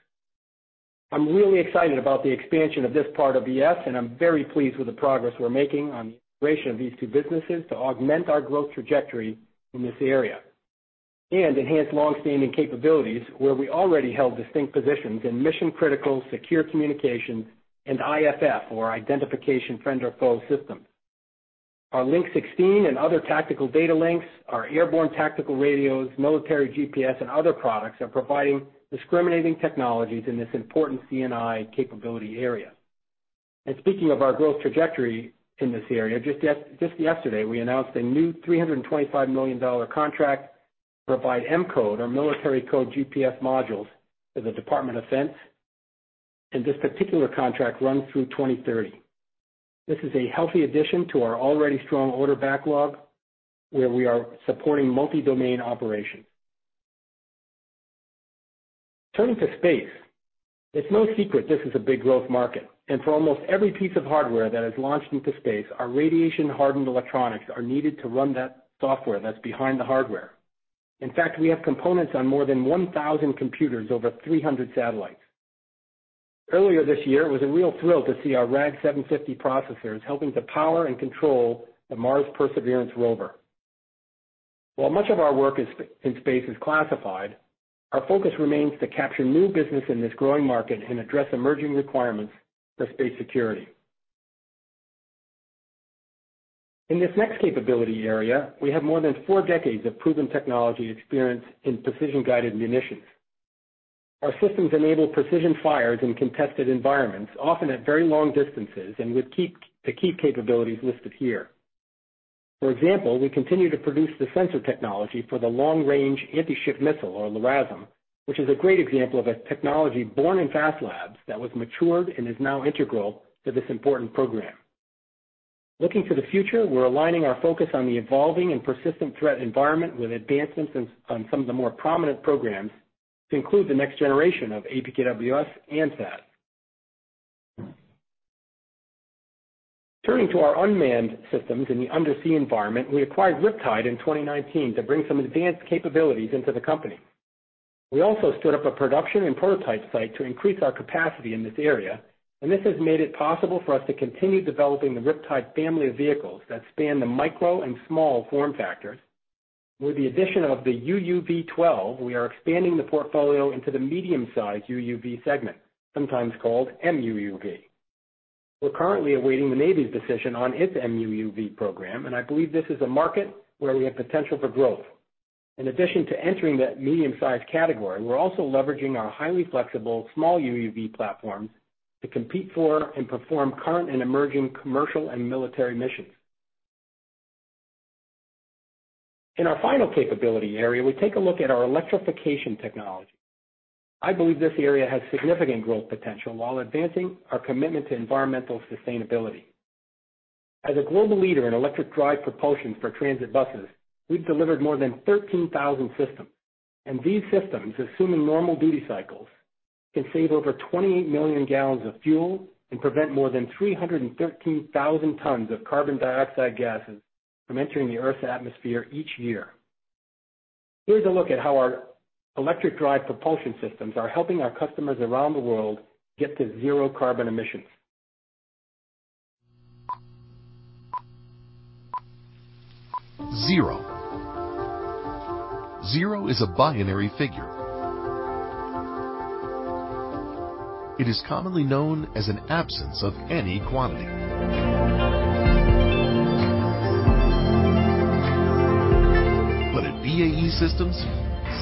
I'm really excited about the expansion of this part of the ES, and I'm very pleased with the progress we're making on the integration of these two businesses to augment our growth trajectory in this area and enhance long-standing capabilities where we already held distinct positions in mission-critical secure communications and IFF or Identification Friend or Foe systems. Our Link 16 and other tactical data links, our airborne tactical radios, military GPS, and other products are providing discriminating technologies in this important CNI capability area. Speaking of our growth trajectory in this area, just yesterday, we announced a new GBP 325 million contract to provide M-Code or military code GPS modules to the Department of Defense, and this particular contract runs through 2030. This is a healthy addition to our already strong order backlog, where we are supporting multi-domain operations. Turning to space, it's no secret this is a big growth market, and for almost every piece of hardware that is launched into space, our radiation-hardened electronics are needed to run that software that's behind the hardware. In fact, we have components on more than 1,000 computers, over 300 satellites. Earlier this year, it was a real thrill to see our RAD750 processors helping to power and control the Mars Perseverance Rover. While much of our work in space is classified, our focus remains to capture new business in this growing market and address emerging requirements for space security. In this next capability area, we have more than four decades of proven technology experience in precision-guided munitions. Our systems enable precision fires in contested environments, often at very long distances, and with the key capabilities listed here. For example, we continue to produce the sensor technology for the long-range anti-ship missile, or LRASM, which is a great example of a technology born in FAST Labs that was matured and is now integral to this important program. Looking to the future, we're aligning our focus on the evolving and persistent threat environment with advancements on some of the more prominent programs to include the next generation of APKWS and THAAD. Turning to our unmanned systems in the undersea environment, we acquired Riptide in 2019 to bring some advanced capabilities into the company. We also stood up a production and prototype site to increase our capacity in this area. This has made it possible for us to continue developing the Riptide family of vehicles that span the micro and small form factors. With the addition of the UUV-12, we are expanding the portfolio into the medium-sized UUV segment, sometimes called M-UUV. We're currently awaiting the Navy's decision on its M-UUV program. I believe this is a market where we have potential for growth. In addition to entering that medium-sized category, we're also leveraging our highly flexible small UUV platforms to compete for and perform current and emerging commercial and military missions. In our final capability area, we take a look at our electrification technology. I believe this area has significant growth potential while advancing our commitment to environmental sustainability. As a global leader in electric drive propulsion for transit buses, we've delivered more than 13,000 systems, and these systems, assuming normal duty cycles, can save over 28 million gallons of fuel and prevent more than 313,000 tons of carbon dioxide gases from entering the Earth's atmosphere each year. Here's a look at how our electric drive propulsion systems are helping our customers around the world get to zero carbon emissions. Zero. Zero is a binary figure. It is commonly known as an absence of any quantity. At BAE Systems,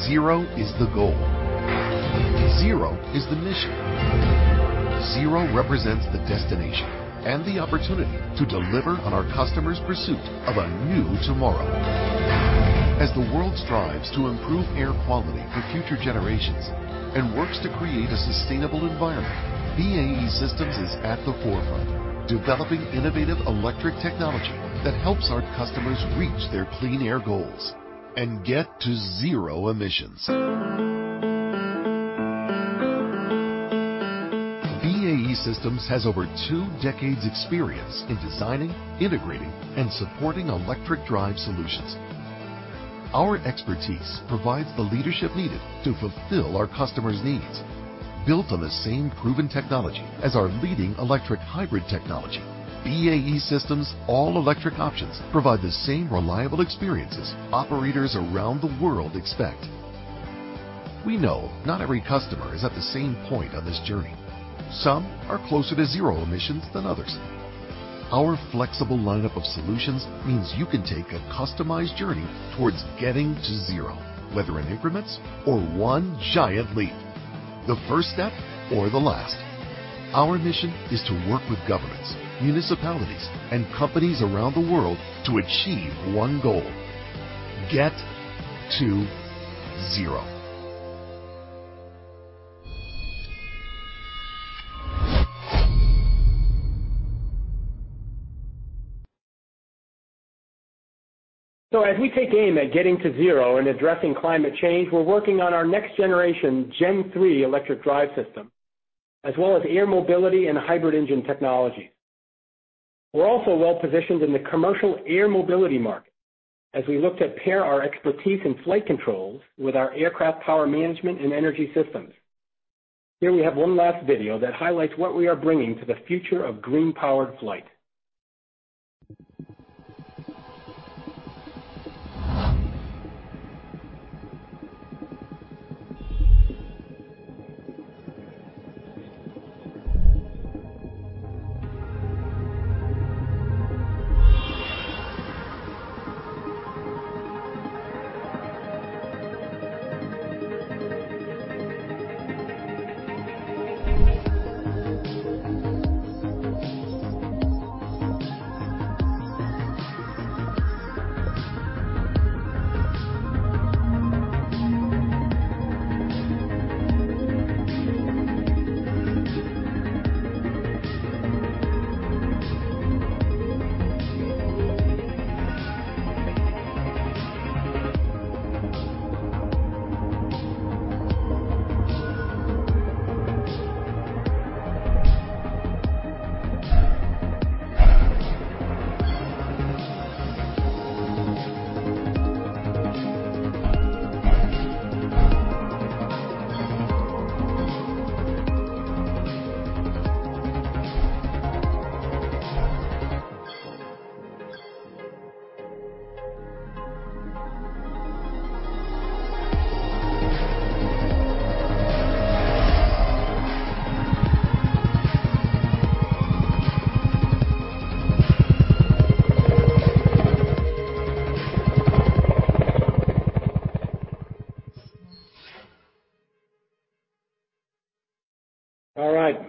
zero is the goal. Zero is the mission. Zero represents the destination and the opportunity to deliver on our customers' pursuit of a new tomorrow. As the world strives to improve air quality for future generations and works to create a sustainable environment, BAE Systems is at the forefront, developing innovative electric technology that helps our customers reach their clean air goals and get to zero emissions. BAE Systems has over two decades' experience in designing, integrating, and supporting electric drive solutions. Our expertise provides the leadership needed to fulfill our customers' needs. Built on the same proven technology as our leading electric hybrid technology, BAE Systems' all-electric options provide the same reliable experiences operators around the world expect. We know not every customer is at the same point on this journey. Some are closer to zero emissions than others. Our flexible lineup of solutions means you can take a customized journey towards getting to zero, whether in increments or one giant leap. The first step or the last. Our mission is to work with governments, municipalities, and companies around the world to achieve one goal: get to zero. As we take aim at getting to zero and addressing climate change, we're working on our next-generation Gen3 Electric Drive System, as well as air mobility and hybrid engine technology. We're also well-positioned in the commercial air mobility market, as we look to pair our expertise in flight controls with our aircraft power management and energy systems. Here we have one last video that highlights what we are bringing to the future of green-powered flight.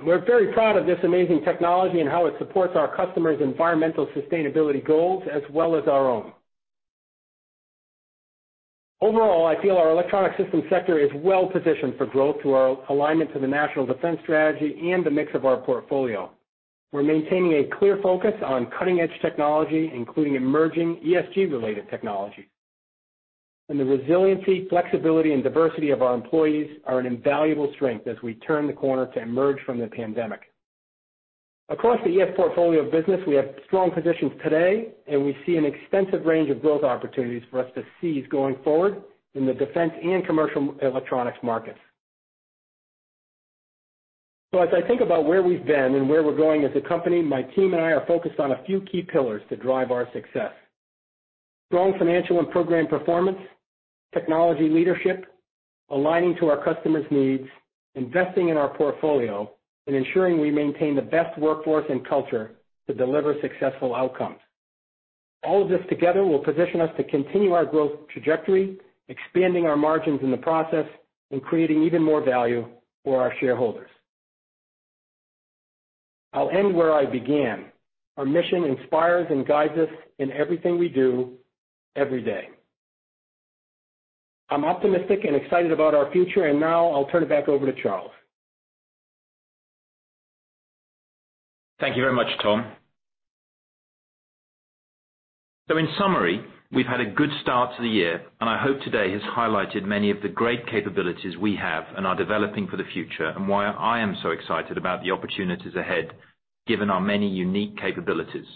All right. We're very proud of this amazing technology and how it supports our customers' environmental sustainability goals as well as our own. I feel our Electronic Systems sector is well-positioned for growth through our alignment to the National Defense Strategy and the mix of our portfolio. We're maintaining a clear focus on cutting-edge technology, including emerging ESG-related technology. The resiliency, flexibility, and diversity of our employees are an invaluable strength as we turn the corner to emerge from the pandemic. Across the ES portfolio of business, we have strong positions today, and we see an extensive range of growth opportunities for us to seize going forward in the defense and commercial electronics markets. As I think about where we've been and where we're going as a company, my team and I are focused on a few key pillars to drive our success, strong financial and program performance, technology leadership, aligning to our customers' needs, investing in our portfolio, and ensuring we maintain the best workforce and culture to deliver successful outcomes. All of this together will position us to continue our growth trajectory, expanding our margins in the process, and creating even more value for our shareholders. I'll end where I began. Our mission inspires and guides us in everything we do every day. I'm optimistic and excited about our future, and now I'll turn it back over to Charles. Thank you very much, Tom. In summary, we've had a good start to the year, and I hope today has highlighted many of the great capabilities we have and are developing for the future and why I am so excited about the opportunities ahead, given our many unique capabilities.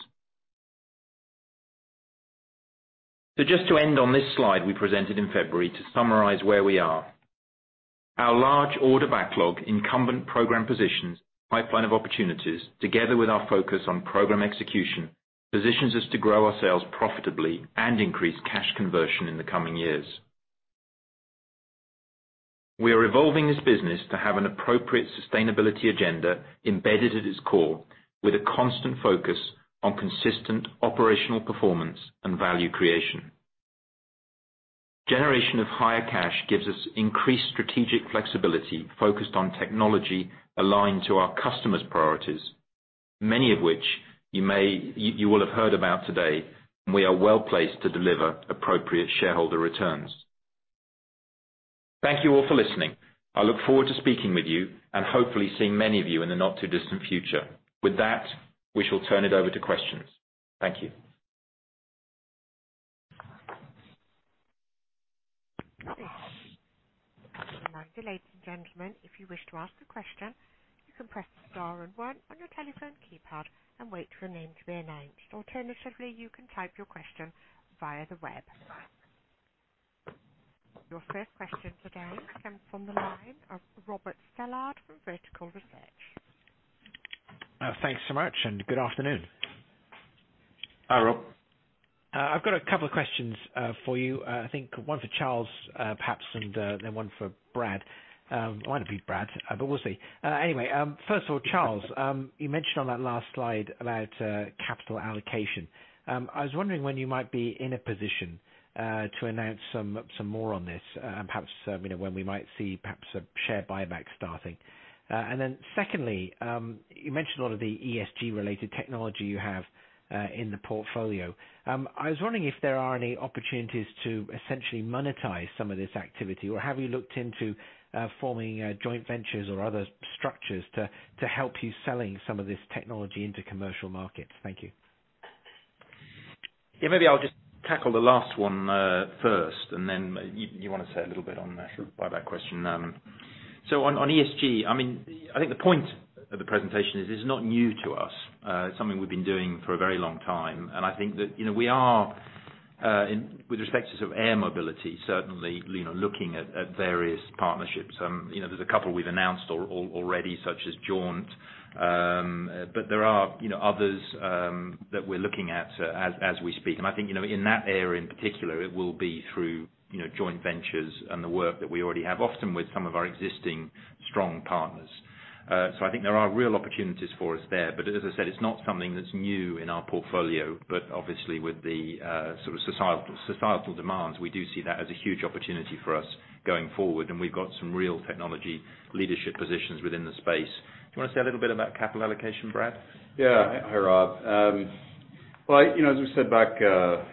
Just to end on this slide we presented in February to summarize where we are. Our large order backlog, incumbent program positions, pipeline of opportunities, together with our focus on program execution, positions us to grow our sales profitably and increase cash conversion in the coming years. We are evolving this business to have an appropriate sustainability agenda embedded at its core, with a constant focus on consistent operational performance and value creation. Generation of higher cash gives us increased strategic flexibility focused on technology aligned to our our customers' priorities, many of which you will have heard about today, and we are well-placed to deliver appropriate shareholder returns. Thank you all for listening. I look forward to speaking with you and hopefully seeing many of you in the not-too-distant future. With that, we shall turn it over to questions. Thank you. Good afternoon, ladies and gentlemen. Your first question today comes from the line of Robert Stallard from Vertical Research. Thanks so much, and good afternoon. Hi, Rob. I've got a couple of questions for you. I think one for Charles, perhaps, and then one for Brad. One for you, Brad, but we'll see. Anyway, first of all, Charles, you mentioned on that last slide about capital allocation. I was wondering when you might be in a position to announce some more on this, perhaps when we might see perhaps a share buyback starting. Secondly, you mentioned a lot of the ESG-related technology you have in the portfolio. I was wondering if there are any opportunities to essentially monetize some of this activity, or have you looked into forming joint ventures or other structures to help you selling some of this technology into commercial markets? Thank you. Yeah. Maybe I'll just tackle the last one first, and then you want to say a little bit on that, by that question. On ESG, I think the point of the presentation is it's not new to us. It's something we've been doing for a very long time, and I think that we are, with respect to sort of air mobility, certainly looking at various partnerships. There's a couple we've announced already, such as Jaunt. There are others that we're looking at as we speak. I think, in that area in particular, it will be through joint ventures and the work that we already have, often with some of our existing strong partners. I think there are real opportunities for us there. As I said, it's not something that's new in our portfolio, obviously with the sort of societal demands, we do see that as a huge opportunity for us going forward, and we've got some real technology leadership positions within the space. You want to say a little bit about capital allocation, Brad? Hi, Rob. As we said back a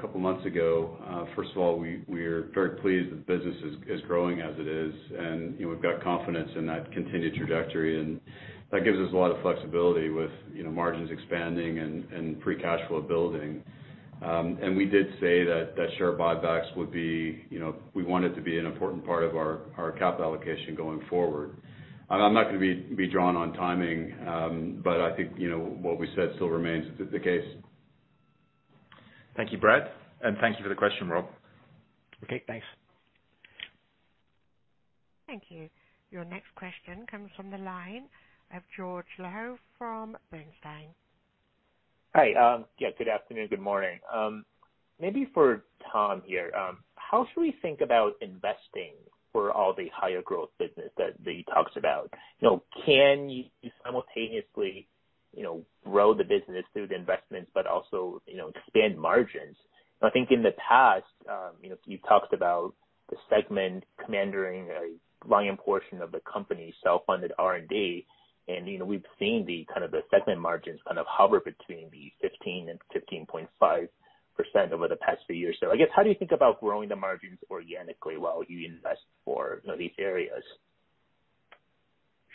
couple of months ago, first of all, we are very pleased the business is growing as it is, and we've got confidence in that continued trajectory, and that gives us a lot of flexibility with margins expanding and free cash flow building. We did say that share buybacks we want it to be an important part of our capital allocation going forward. I'm not going to be drawn on timing, I think what we said still remains the case. Thank you, Brad, and thank you for the question, Robert. Okay, thanks. Thank you. Your next question comes from the line of George Zhao from Bernstein. Hi. Yeah, good afternoon, good morning. Maybe for Tom here. How should we think about investing for all the higher growth business that you talked about? Can you simultaneously grow the business through the investments but also expand margins? I think in the past, you talked about the segment commanding a lion portion of the company's self-funded R&D, and we've seen the kind of segment margins kind of hover between the 15% and 15.5% over the past few years. I guess, how do you think about growing the margins organically while you invest for these areas?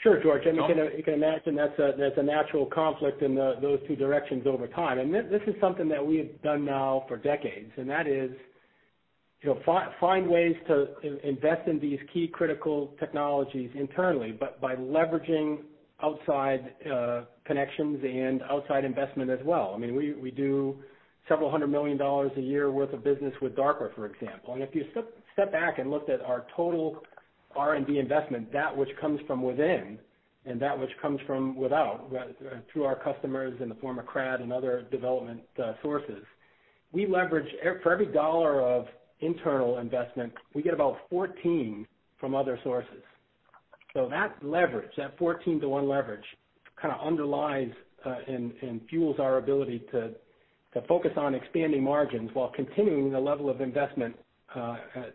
Sure, George. You can imagine that's a natural conflict in those two directions over time. This is something that we have done now for decades, and that is find ways to invest in these key critical technologies internally, but by leveraging outside connections and outside investment as well. We do several hundred million dollars a year worth of business with DARPA, for example. If you step back and looked at our total R&D investment, that which comes from within and that which comes from without, through our customers in the form of CRAD and other development sources. For every GBP of internal investment, we get about 14 from other sources. That leverage, that 14 to one leverage, kind of underlies and fuels our ability to focus on expanding margins while continuing the level of investment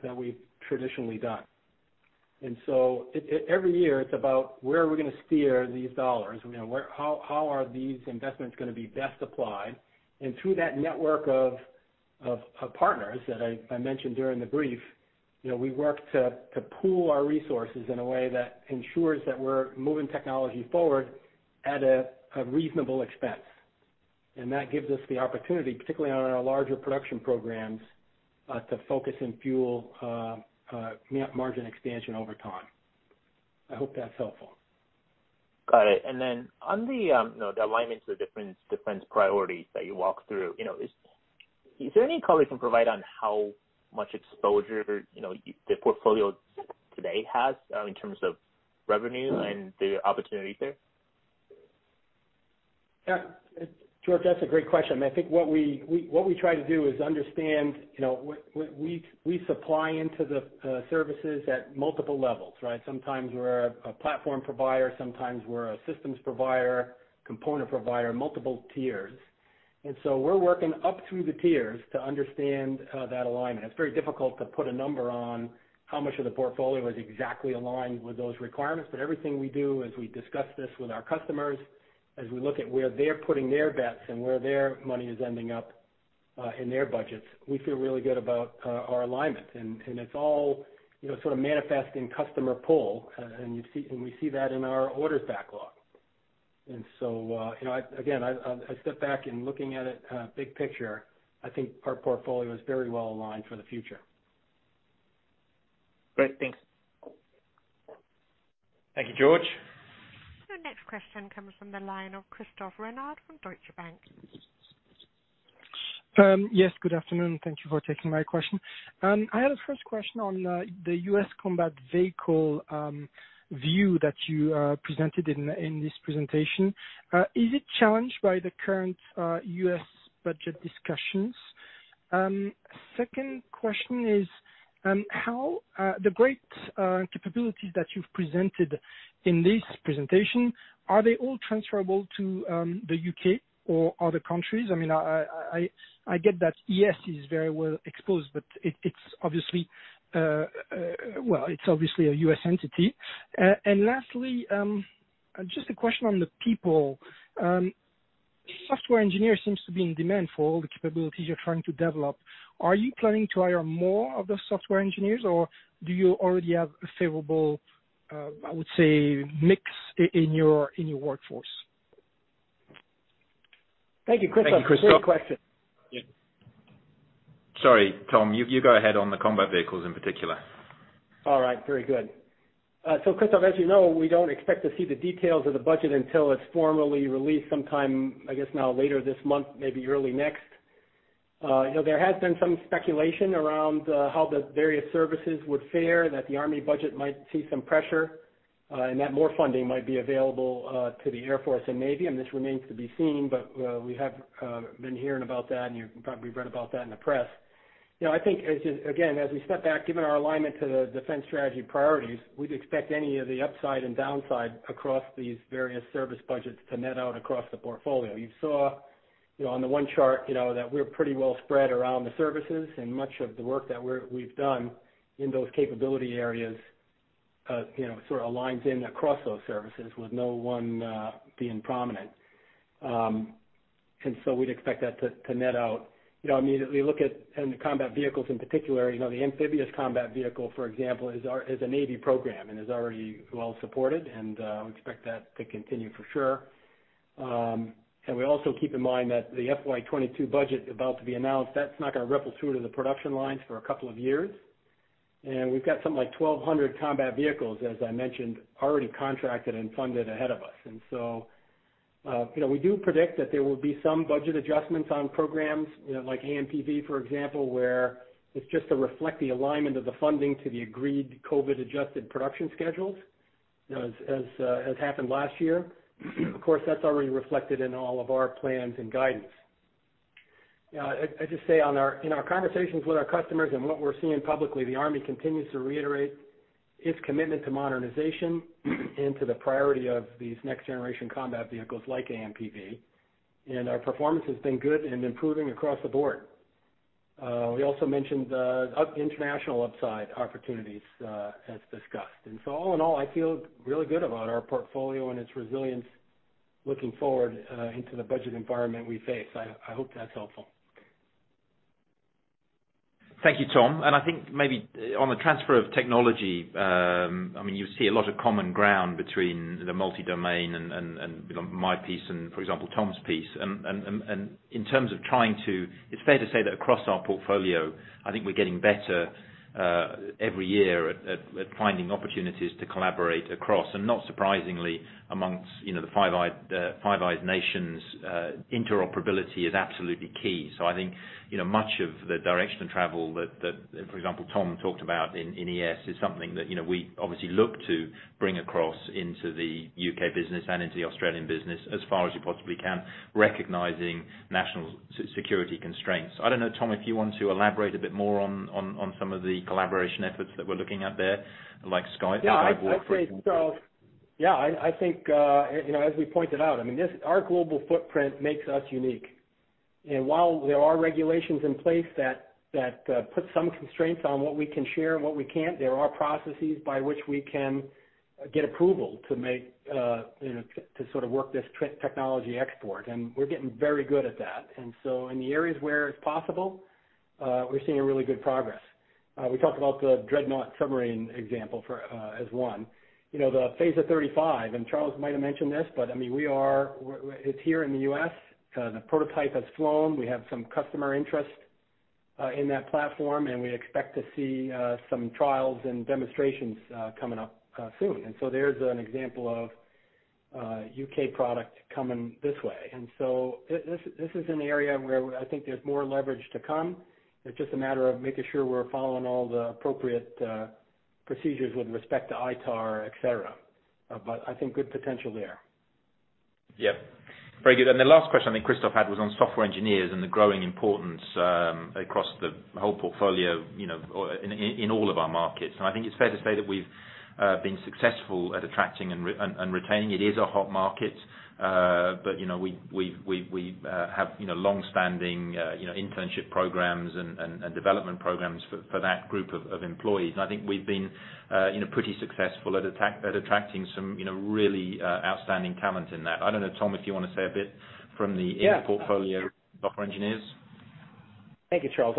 that we've traditionally done. Every year it's about where are we going to steer these dollars? How are these investments going to be best applied? Through that network of partners that I mentioned during the brief, we work to pool our resources in a way that ensures that we're moving technology forward at a reasonable expense. That gives us the opportunity, particularly on our larger production programs, to focus and fuel margin expansion over time. I hope that's helpful. Got it. On the alignment to the defense priorities that you walked through, is there any color you can provide on how much exposure the portfolio today has in terms of revenue and the opportunity there? Yeah. George, that's a great question. I think what we try to do is understand, we supply into the services at multiple levels, right? Sometimes we're a platform provider, sometimes we're a systems provider, component provider, multiple tiers. We're working up through the tiers to understand that alignment. It's very difficult to put a number on how much of the portfolio is exactly aligned with those requirements. Everything we do as we discuss this with our customers, as we look at where they're putting their bets and where their money is ending up in their budgets, we feel really good about our alignment. It's all sort of manifesting customer pull, and we see that in our orders backlog. Again, I step back and looking at it big picture, I think our portfolio is very well aligned for the future. Great. Thanks. Thank you, George. The next question comes from the line of Christophe Menard from Deutsche Bank. Yes, good afternoon. Thank you for taking my question. I have first question on the U.S. combat vehicle view that you presented in this presentation. Is it challenged by the current U.S. budget discussions? Second question is, the great capabilities that you've presented in this presentation, are they all transferable to the U.K. or other countries? I get that ES is very well exposed, it's obviously a U.S. entity. Lastly, just a question on the people. Software engineers seems to be in demand for all the capabilities you're trying to develop. Are you planning to hire more of the software engineers or do you already have a favorable, I would say, mix in your workforce? Thank you, Christophe. Great question. Thank you, Christophe. Sorry, Tom, you go ahead on the combat vehicles in particular. All right, very good. Christophe, as you know, we don't expect to see the details of the budget until it's formally released sometime, I guess, now later this month, maybe early next. There has been some speculation around how the various services would fare, that the Army budget might see some pressure, and that more funding might be available to the Air Force and Navy, and this remains to be seen. We have been hearing about that, and you've probably read about that in the press. I think, again, as we step back, given our alignment to the defense strategy priorities, we'd expect any of the upside and downside across these various service budgets to net out across the portfolio. You saw on the one chart that we're pretty well spread around the services, and much of the work that we've done in those capability areas sort of aligns in across those services with no one being prominent. We'd expect that to net out. We look at combat vehicles in particular. The Amphibious Combat Vehicle, for example, is a Navy program and is already well supported, and we expect that to continue for sure. We also keep in mind that the FY 2022 budget about to be announced, that's not going to ripple through to the production lines for a couple of years. We've got something like 1,200 combat vehicles, as I mentioned, already contracted and funded ahead of us. We do predict that there will be some budget adjustments on programs like AMPV, for example, where it is just to reflect the alignment of the funding to the agreed COVID adjusted production schedules, as happened last year. Of course, that is already reflected in all of our plans and guidance. I would just say in our conversations with our customers and what we are seeing publicly, the Army continues to reiterate its commitment to modernization and to the priority of these next generation combat vehicles like AMPV. Our performance has been good and improving across the board. We also mentioned the international upside opportunities as discussed. All in all, I feel really good about our portfolio and its resilience looking forward into the budget environment we face. I hope that is helpful. Thank you, Tom. I think maybe on the transfer of technology, you see a lot of common ground between the multi-domain and my piece and, for example, Tom's piece. It's fair to say that across our portfolio, I think we're getting better every year at finding opportunities to collaborate across, and not surprisingly, amongst the Five Eyes nations, interoperability is absolutely key. I think, much of the direction of travel that, for example, Tom talked about in ES is something that we obviously look to bring across into the U.K. business and into the Australian business as far as we possibly can, recognizing national security constraints. I don't know, Tom, if you want to elaborate a bit more on some of the collaboration efforts that we're looking at there, like Skyborg. Yeah. I think, as we pointed out, our global footprint makes us unique. While there are regulations in place that put some constraints on what we can share and what we can't, there are processes by which we can get approval to sort of work this technology export, and we're getting very good at that. In the areas where it's possible, we're seeing really good progress. We talked about the Dreadnought submarine example as one. The PHASA-35, and Charles might have mentioned this, but it's here in the U.S. The prototype has flown. We have some customer interest in that platform, and we expect to see some trials and demonstrations coming up soon. There's an example of a U.K. product coming this way. This is an area where I think there's more leverage to come. It's just a matter of making sure we're following all the appropriate procedures with respect to ITAR, et cetera. I think good potential there. Very good. The last question I think Christophe had was on software engineers and the growing importance across the whole portfolio in all of our markets. I think it's fair to say that we've been successful at attracting and retaining. It is a hot market, but we have longstanding internship programs and development programs for that group of employees. I think we've been pretty successful at attracting some really outstanding talent in that. I don't know, Tom, if you want to say a bit from the air portfolio software engineers. Thank you, Charles.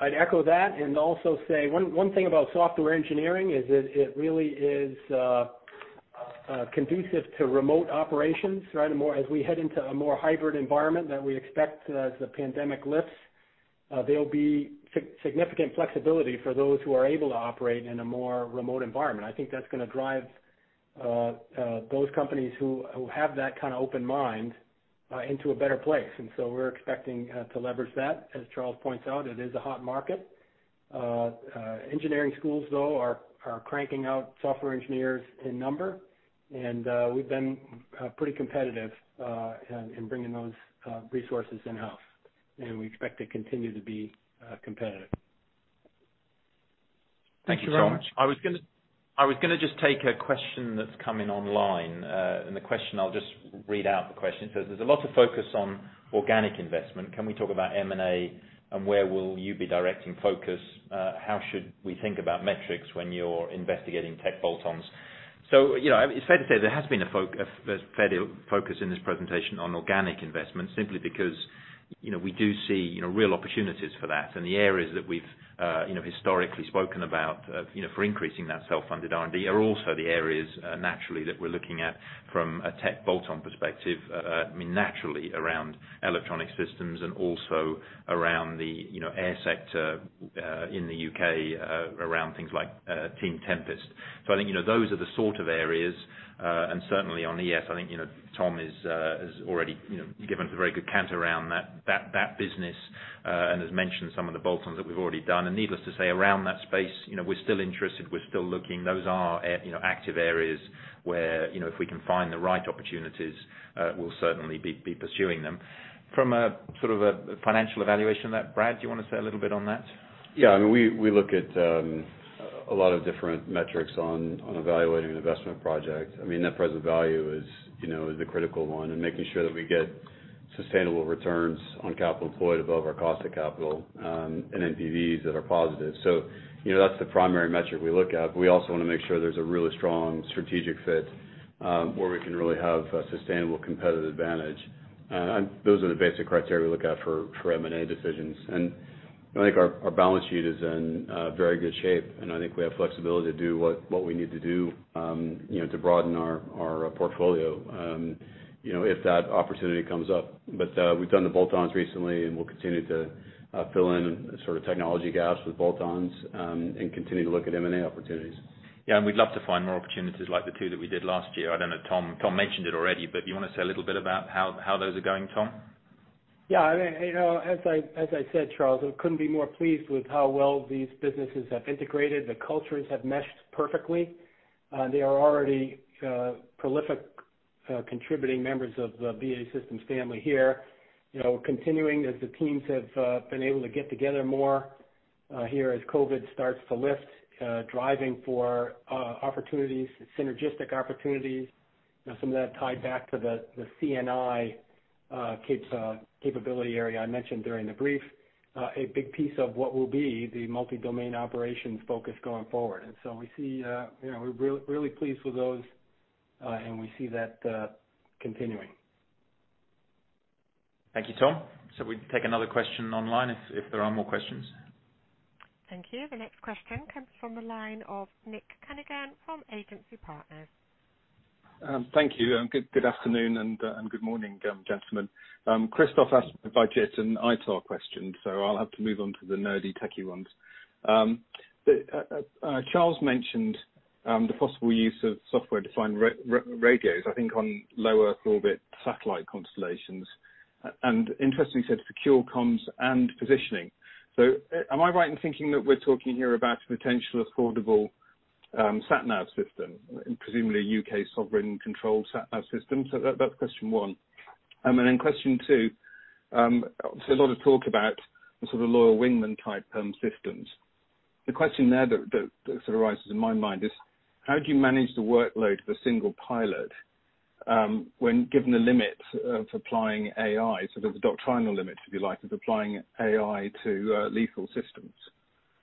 I'd echo that and also say, one thing about software engineering is it really is conducive to remote operations. As we head into a more hybrid environment that we expect as the pandemic lifts, there'll be significant flexibility for those who are able to operate in a more remote environment. I think that's going to drive those companies who have that kind of open mind into a better place. We're expecting to leverage that. As Charles points out, it is a hot market. Engineering schools, though, are cranking out software engineers in number, and we've been pretty competitive in bringing those resources in-house, and we expect to continue to be competitive. Thank you very much. I was going to just take a question that's come in online, and I'll just read out the question. There's a lot of focus on organic investment. Can we talk about M&A, and where will you be directing focus? How should we think about metrics when you're investigating tech bolt-ons? It's fair to say there has been a focus in this presentation on organic investment, simply because we do see real opportunities for that. The areas that we've historically spoken about for increasing that self-funded R&D are also the areas, naturally, that we're looking at from a tech bolt-on perspective, naturally, around Electronic Systems and also around the air sector in the U.K., around things like Team Tempest. I think those are the sort of areas. Certainly on ES, I think Tom has already given a very good account around that business and has mentioned some of the bolt-ons that we've already done. Needless to say, around that space, we're still interested, we're still looking. Those are active areas where if we can find the right opportunities, we'll certainly be pursuing them. From a financial evaluation of that, Brad, do you want to say a little bit on that? Yeah. We look at a lot of different metrics on evaluating investment projects. Net present value is the critical one and making sure that we get sustainable returns on capital employed above our cost of capital and NPVs that are positive. That's the primary metric we look at. We also want to make sure there's a really strong strategic fit where we can really have a sustainable competitive advantage. Those are the basic criteria we look at for M&A decisions. I think our balance sheet is in very good shape, and I think we have flexibility to do what we need to do to broaden our portfolio if that opportunity comes up. We've done the bolt-ons recently, and we'll continue to fill in technology gaps with bolt-ons and continue to look at M&A opportunities. Yeah, we'd love to find more opportunities like the two that we did last year. I don't know, Tom. Tom mentioned it already, do you want to say a little bit about how those are going, Tom? Yeah. As I said, Charles, we couldn't be more pleased with how well these businesses have integrated. The cultures have meshed perfectly. They are already prolific contributing members of the BAE Systems family here. Continuing as the teams have been able to get together more here as COVID starts to lift, driving for opportunities, synergistic opportunities, some of that tied back to the CNI capability area I mentioned during the brief, a big piece of what will be the multi-domain operations focus going forward. We're really pleased with those, and we see that continuing. Thank you, Tom. We can take another question online if there are more questions. Thank you. The next question comes from the line of Nick Cunningham from Agency Partners. Thank you, and good afternoon and good morning, gentlemen. Christophe asked the budget and ITAR question, so I'll have to move on to the nerdy techie ones. Charles mentioned the possible use of software-defined radios, I think, on low Earth orbit satellite constellations, and interestingly said secure comms and positioning. Am I right in thinking that we're talking here about a potential affordable satnav system, presumably a U.K. sovereign-controlled satnav system? That's question one. Question two, there's a lot of talk about the sort of Loyal Wingman-type systems. The question there that arises in my mind is how do you manage the workload of a single pilot when given the limits of applying AI, so the doctrinal limits, if you like, of applying AI to lethal systems?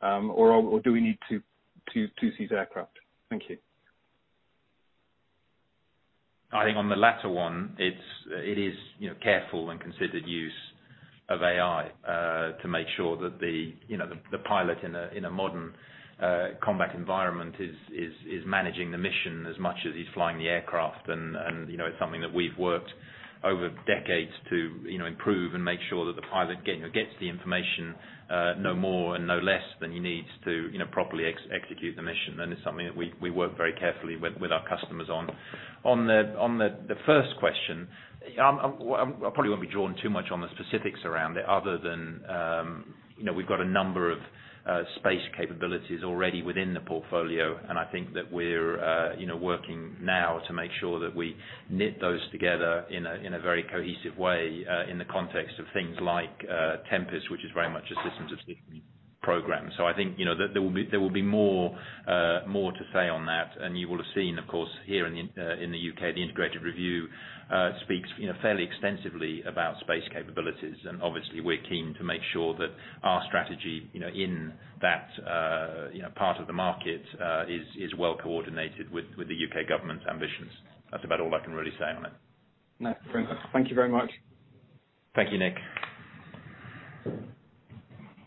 Do we need two-seat aircraft? Thank you. I think on the latter one, it is careful and considered use of AI to make sure that the pilot in a modern combat environment is managing the mission as much as he's flying the aircraft and it's something that we've worked over decades to improve and make sure that the pilot gets the information no more and no less than he needs to properly execute the mission. It's something that we work very carefully with our customers on. On the first question, I probably won't be drawn too much on the specifics around it other than we've got a number of space capabilities already within the portfolio. I think that we're working now to make sure that we knit those together in a very cohesive way in the context of things like Tempest, which is very much a systems of systems program. I think there will be more to say on that. You will have seen, of course, here in the U.K., the Integrated Review speaks fairly extensively about space capabilities. Obviously, we're keen to make sure that our strategy in that part of the market is well coordinated with the U.K. government ambitions. That's about all I can really say on that. No, thank you very much. Thank you, Nick.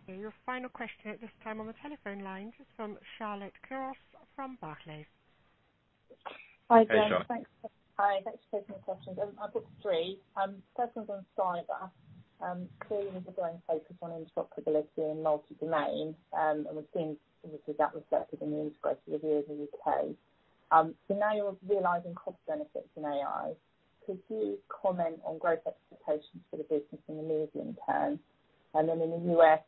Your final question at this time on the telephone line is from Charlotte Cross from Barclays. Hey, Charlotte. Hi, guys. Thanks for taking the questions. I've got three. First one's on cyber. Clearly you've been doing focus on interoperability and multi-domain, obviously that was reflected in the Integrated Review of the U.K. Now you're realizing cost benefits in AI. Could you comment on growth expectations for the business in the medium term? Then in the U.S.,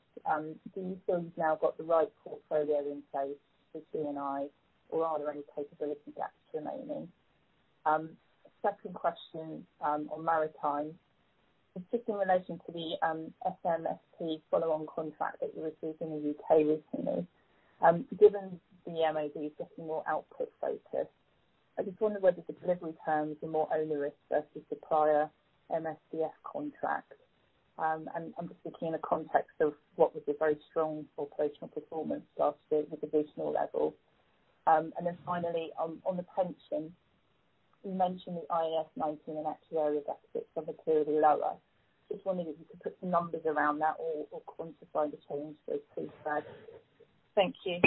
do you feel you've now got the right portfolio in place for I&S, or are there any capability gaps remaining? Second question on maritime, particularly in relation to the FMSP follow-on contract that you were given in the U.K. recently. Given the MoD is getting more output focused, I just wonder whether the delivery terms are more onerous versus the prior MSDF contract, particularly in the context of what was a very strong operational performance last year at the divisional level. Finally, on the pension, you mentioned the IAS 19 and actuarial deficit was clearly lower. Just wondering if you could put some numbers around that or quantify the change there too, Brad. Thank you.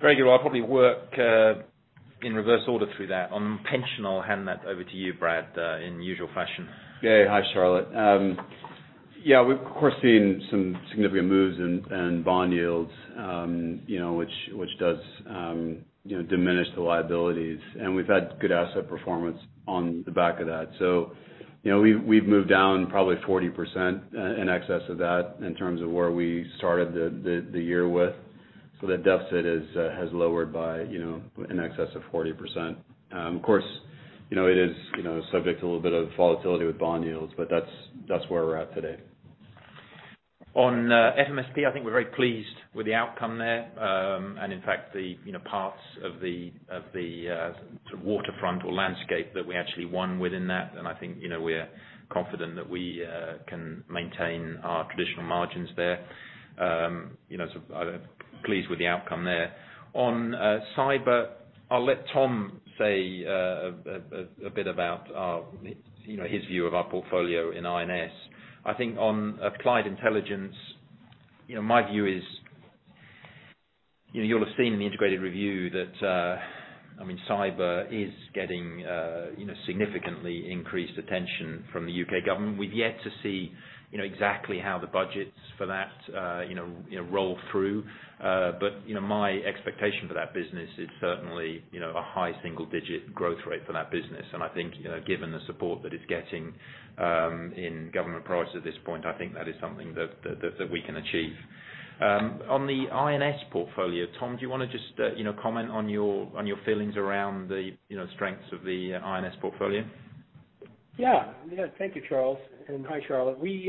Very good. I'll probably work in reverse order through that. On pension, I'll hand that over to you, Brad, in the usual fashion. Hi, Charlotte. We've of course seen some significant moves in bond yields, which does diminish the liabilities, and we've had good asset performance on the back of that. We've moved down probably 40%, in excess of that, in terms of where we started the year with. The deficit has lowered by in excess of 40%. Of course, it is subject to a little bit of volatility with bond yields, but that's where we're at today. On FMSP, I think we're very pleased with the outcome there. In fact, the parts of the waterfront or landscape that we actually won within that, and I think we're confident that we can maintain our traditional margins there. Pleased with the outcome there. On Cyber, I'll let Tom say a bit about his view of our portfolio in I&S. I think on Applied Intelligence, my view is you'll have seen the Integrated Review that cyber is getting significantly increased attention from the U.K. government. We've yet to see exactly how the budgets for that roll through. My expectation for that business is certainly a high single-digit growth rate for that business, and I think given the support that it's getting in government priorities at this point, I think that is something that we can achieve. On the I&S portfolio, Tom, do you want to just comment on your feelings around the strengths of the I&S portfolio? Thank you, Charles, and hi, Charlotte. We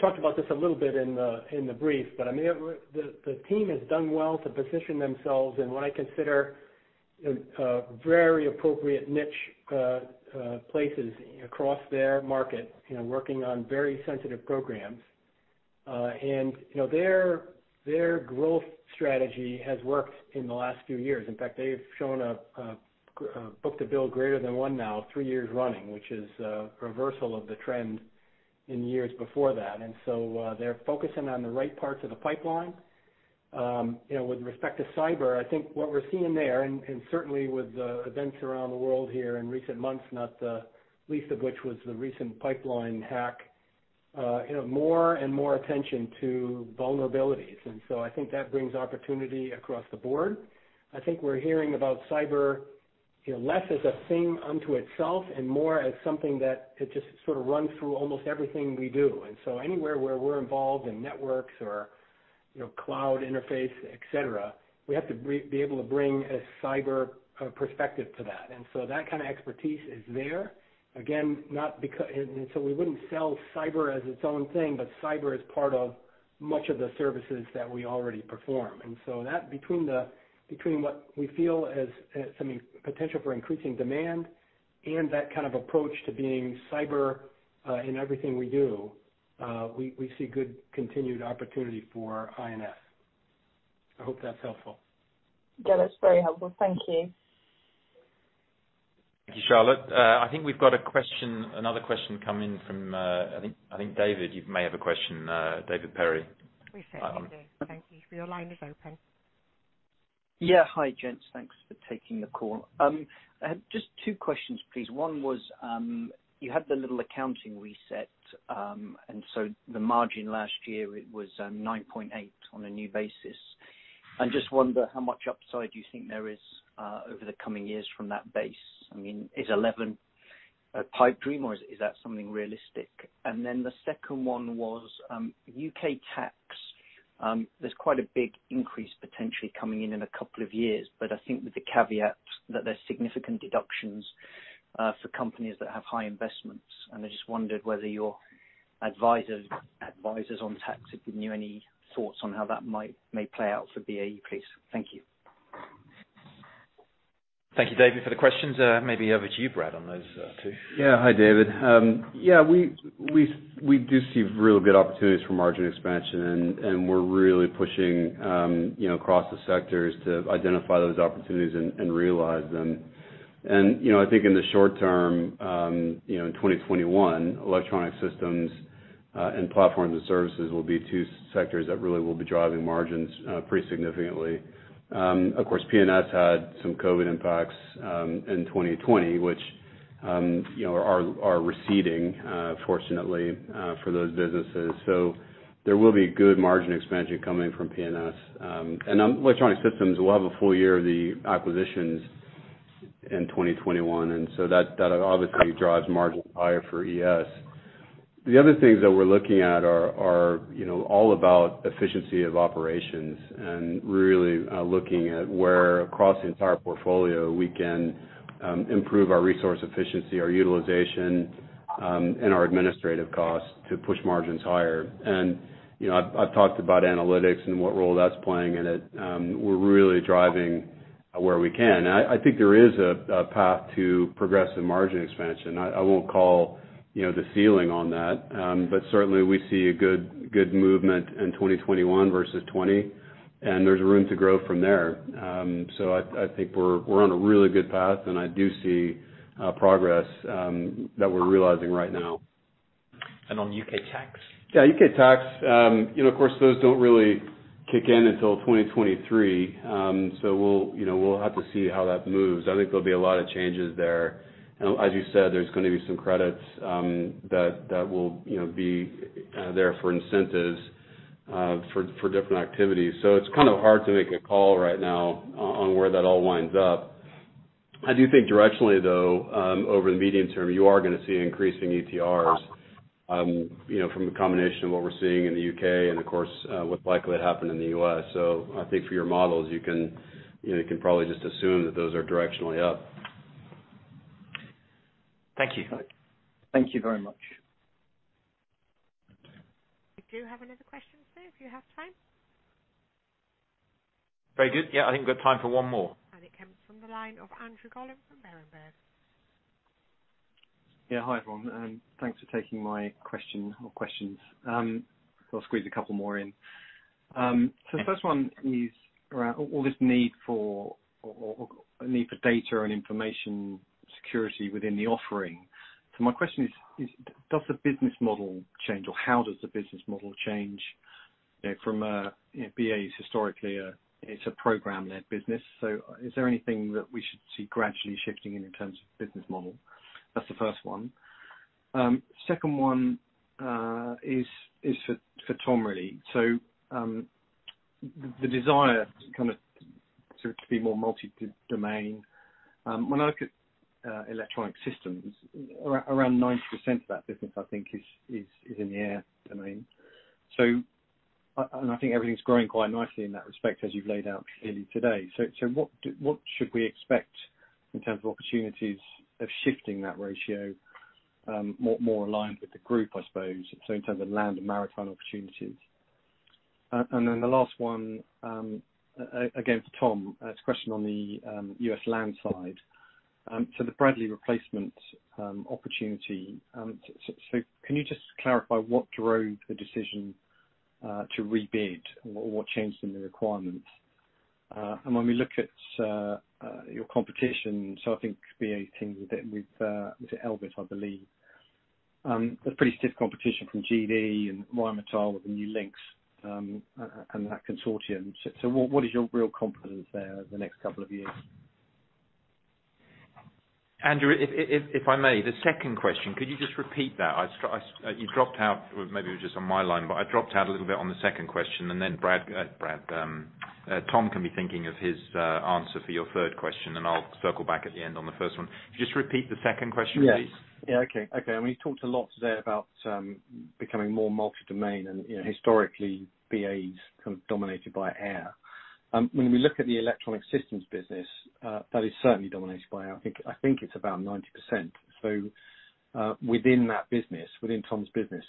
talked about this a little bit in the brief, the team has done well to position themselves in what I consider very appropriate niche places across their market, working on very sensitive programs. Their growth strategy has worked in the last few years. In fact, they've shown a book to bill greater than one now three years running, which is a reversal of the trend in years before that. They're focusing on the right parts of the pipeline. With respect to cyber, I think what we're seeing there and certainly with the events around the world here in recent months, not the least of which was the recent pipeline hack, more and more attention to vulnerabilities. I think that brings opportunity across the board. I think we're hearing about cyber less as a thing unto itself and more as something that it just sort of runs through almost everything we do. Anywhere where we're involved in networks or cloud interface, et cetera, we have to be able to bring a cyber perspective to that. That kind of expertise is there. We wouldn't sell cyber as its own thing, but cyber is part of much of the services that we already perform. Between what we feel as some potential for increasing demand and that kind of approach to being cyber in everything we do, we see good continued opportunity for I&S. I hope that's helpful. Yeah, that's very helpful. Thank you. Thank you, Charlotte. I think we've got another question come in from, I think, David, you may have a question. David Perry. Please stay on the line. Thank you. Your line is open. Hi, gents. Thanks for taking the call. Just two questions, please. One was, you had the little accounting reset, the margin last year, it was 9.8% on a new basis. I just wonder how much upside you think there is over the coming years from that base. Is 11% a pipe dream or is that something realistic? The second one was U.K. tax. There's quite a big increase potentially coming in in a couple of years, but I think with the caveat that there's significant deductions for companies that have high investments. I just wondered whether your advisors on tax have given you any thoughts on how that may play out for BAE, please. Thank you. Thank you, David, for the questions. Maybe over to you, Brad, on those two. Hi, David. We do see really good opportunities for margin expansion. We're really pushing across the sectors to identify those opportunities and realize them. I think in the short term, 2021, Electronic Systems and Platforms & Services will be two sectors that really will be driving margins pretty significantly. Of course, P&S had some COVID impacts in 2020, which are receding, fortunately for those businesses. There will be good margin expansion coming from P&S. Electronic Systems will have a full year of the acquisitions in 2021. That obviously drives margin higher for ES. The other things that we're looking at are all about efficiency of operations and really looking at where across the entire portfolio we can improve our resource efficiency, our utilization, and our administrative costs to push margins higher. I talked about analytics and what role that's playing in it. We're really driving where we can. I think there is a path to progressive margin expansion. I won't call the ceiling on that. Certainly, we see a good movement in 2021 versus 2020, and there's room to grow from there. I think we're on a really good path, and I do see progress that we're realizing right now. On U.K. tax? Yeah, U.K. tax, of course, those don't really kick in until 2023. We'll have to see how that moves. I think there'll be a lot of changes there. As you said, there's going to be some credits that will be there for incentives for different activities. It's kind of hard to make a call right now on where that all winds up. I do think directionally, though, over the medium term, you are going to see increasing ETRs from the combination of what we're seeing in the U.K. and, of course, what's likely to happen in the U.S. I think for your models, you can probably just assume that those are directionally up. Thank you. Okay. We do have another question, sir, if you have time. Yeah, I think we have time for one more. It comes from the line of Andrew Collin from Evercore. Hi, everyone, and thanks for taking my question or questions. I'll squeeze a couple more in. The first one is around all this need for data and information security within the offering. My question is, does the business model change or how does the business model change from a BAE Systems' historically it's a program business. Is there anything that we should see gradually shifting in terms of business model? That's the first one. Second one is for Tom, really. The desire to kind of to be more multi-domain. When I look at Electronic Systems, around 90% of that business, I think, is in the air domain. I think everything's growing quite nicely in that respect, as you've laid out clearly today. What should we expect in terms of opportunities of shifting that ratio more aligned with the group, I suppose, so in terms of land and maritime opportunities? The last one, again for Tom, a question on the U.S. land side. The Bradley replacement opportunity. Can you just clarify what drove the decision to rebid, or what changed in the requirements? When we look at your competition, I think BAE teamed a bit with Elbit, I believe. A pretty stiff competition from General Dynamics Land Systems and Rheinmetall with the new Lynx and that consortium. What is your real confidence there over the next couple of years? Andrew, if I may, the second question, could you just repeat that? You dropped out. Maybe it was just on my line, but it dropped out a little bit on the second question, and then Tom can be thinking of his answer for your third question, and I'll circle back at the end on the first one. Just repeat the second question, please. Yes. Okay. We talked a lot today about becoming more multi-domain and historically BAE's kind of dominated by air. When we look at the Electronic Systems business, that is certainly dominated by air. I think it's about 90%. Within that business, within Tom's business,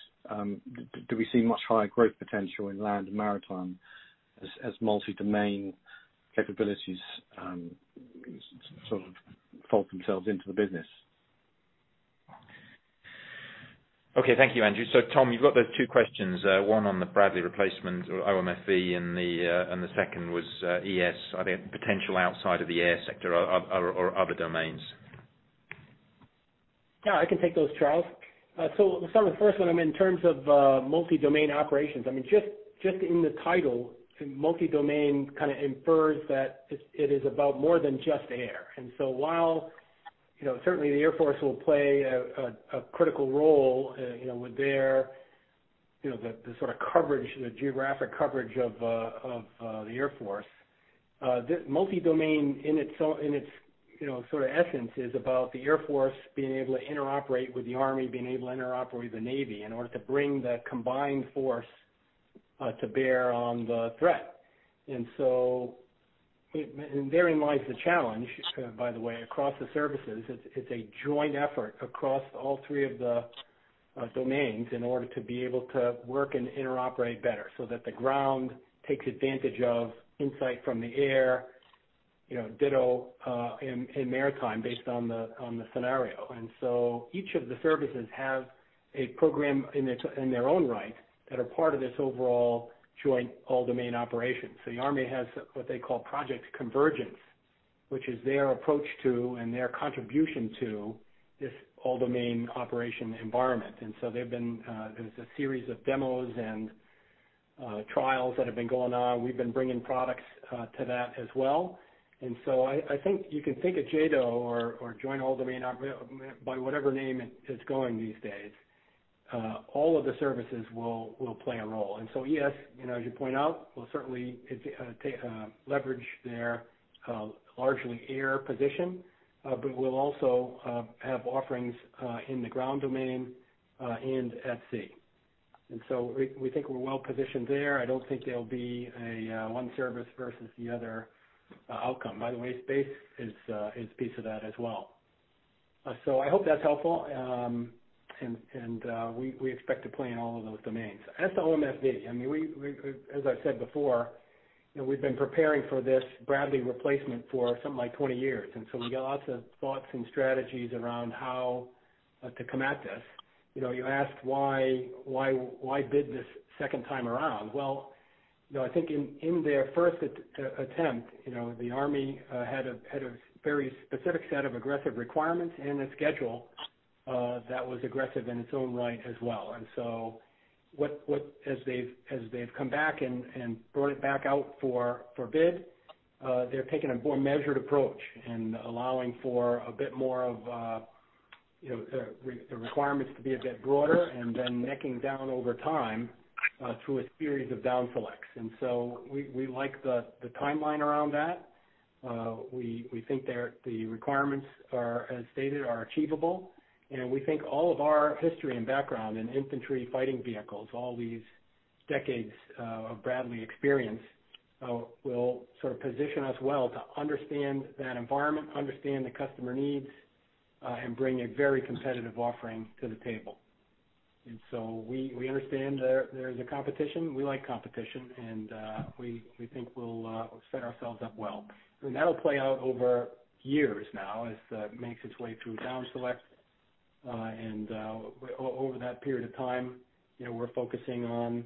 do we see much higher growth potential in land and maritime as multi-domain capabilities sort of fold themselves into the business? Okay. Thank you, Andrew. Tom, you've got those two questions, one on the Bradley replacement, OMFV, and the second was ES, I think potential outside of the air sector or other domains. Yeah, I can take those, Charles. The first one in terms of multi-domain operations, I mean, just in the title, multi-domain kind of infers that it is about more than just air. While certainly the Air Force will play a critical role with their sort of coverage, the geographic coverage of the Air Force. Multi-domain in its essence is about the Air Force being able to interoperate with the Army, being able to interoperate with the Navy in order to bring the combined force to bear on the threat. Therein lies the challenge, by the way, across the services. It's a joint effort across all three of the domains in order to be able to work and interoperate better so that the ground takes advantage of insight from the air, ditto in maritime based on the scenario. Each of the services has a program in their own right that are part of this overall Joint All-Domain Operations. The Army has what they call Project Convergence, which is their approach to and their contribution to this all-domain operations environment. There's a series of demos and trials that have been going on. We've been bringing products to that as well. I think you can take a JADO or Joint All-Domain Operations by whatever name it is going these days, all of the services will play a role. Yes, as you point out, we'll certainly leverage their largely air position, but we'll also have offerings in the ground domain and at sea. We think we're well-positioned there. I don't think there'll be a one service versus the other outcome. By the way, space is a piece of that as well. I hope that's helpful. We expect to play in all of those domains. As for OMFV, as I said before, we've been preparing for this Bradley replacement for something like 20 years, and so we've got lots of thoughts and strategies around how to come at this. You asked why bid this second time around? I think in their first attempt, the Army had a very specific set of aggressive requirements and a schedule that was aggressive in its own right as well. As they've come back and brought it back out for bid, they're taking a more measured approach and allowing for a bit more of the requirements to be a bit broader and then necking down over time through a series of down selects. We like the timeline around that. We think that the requirements as stated, are achievable, and we think all of our history and background in infantry fighting vehicles, all these decades of Bradley experience, will position us well to understand that environment, understand the customer needs, and bring a very competitive offering to the table. We understand there is a competition. We like competition, and we think we'll set ourselves up well. That'll play out over years now as it makes its way through down select. Over that period of time, we're focusing on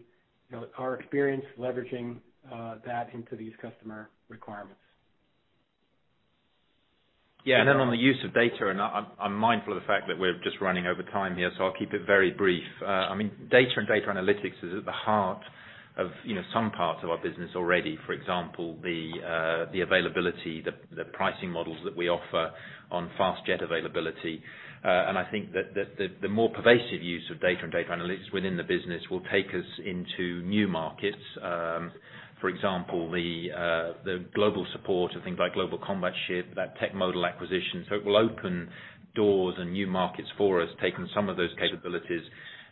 our experience leveraging that into these customer requirements. Yeah. On the use of data, I'm mindful of the fact that we're just running over time here, so I'll keep it very brief. Data and data analytics is at the heart of some parts of our business already. For example, the availability, the pricing models that we offer on fast jet availability. I think that the more pervasive use of data and data analytics within the business will take us into new markets. For example, the global support of things like Global Combat Ship, that Techmodal acquisition. It will open doors and new markets for us, taking some of those capabilities,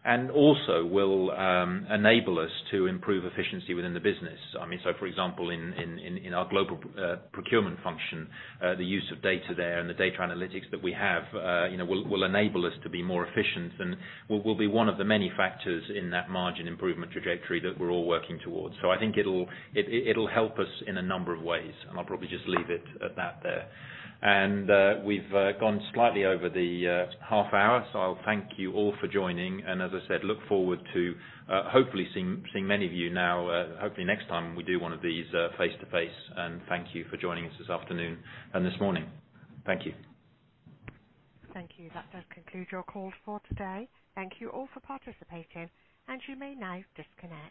and also will enable us to improve efficiency within the business. For example, in our global procurement function, the use of data there and the data analytics that we have will enable us to be more efficient and will be one of the many factors in that margin improvement trajectory that we're all working towards. I think it'll help us in a number of ways, and I'll probably just leave it at that there. We've gone slightly over the half hour, so I'll thank you all for joining. As I said, look forward to hopefully seeing many of you now, hopefully next time we do one of these face-to-face. Thank you for joining us this afternoon and this morning. Thank you. Thank you. That does conclude your call for today. Thank you all for participating, and you may now disconnect.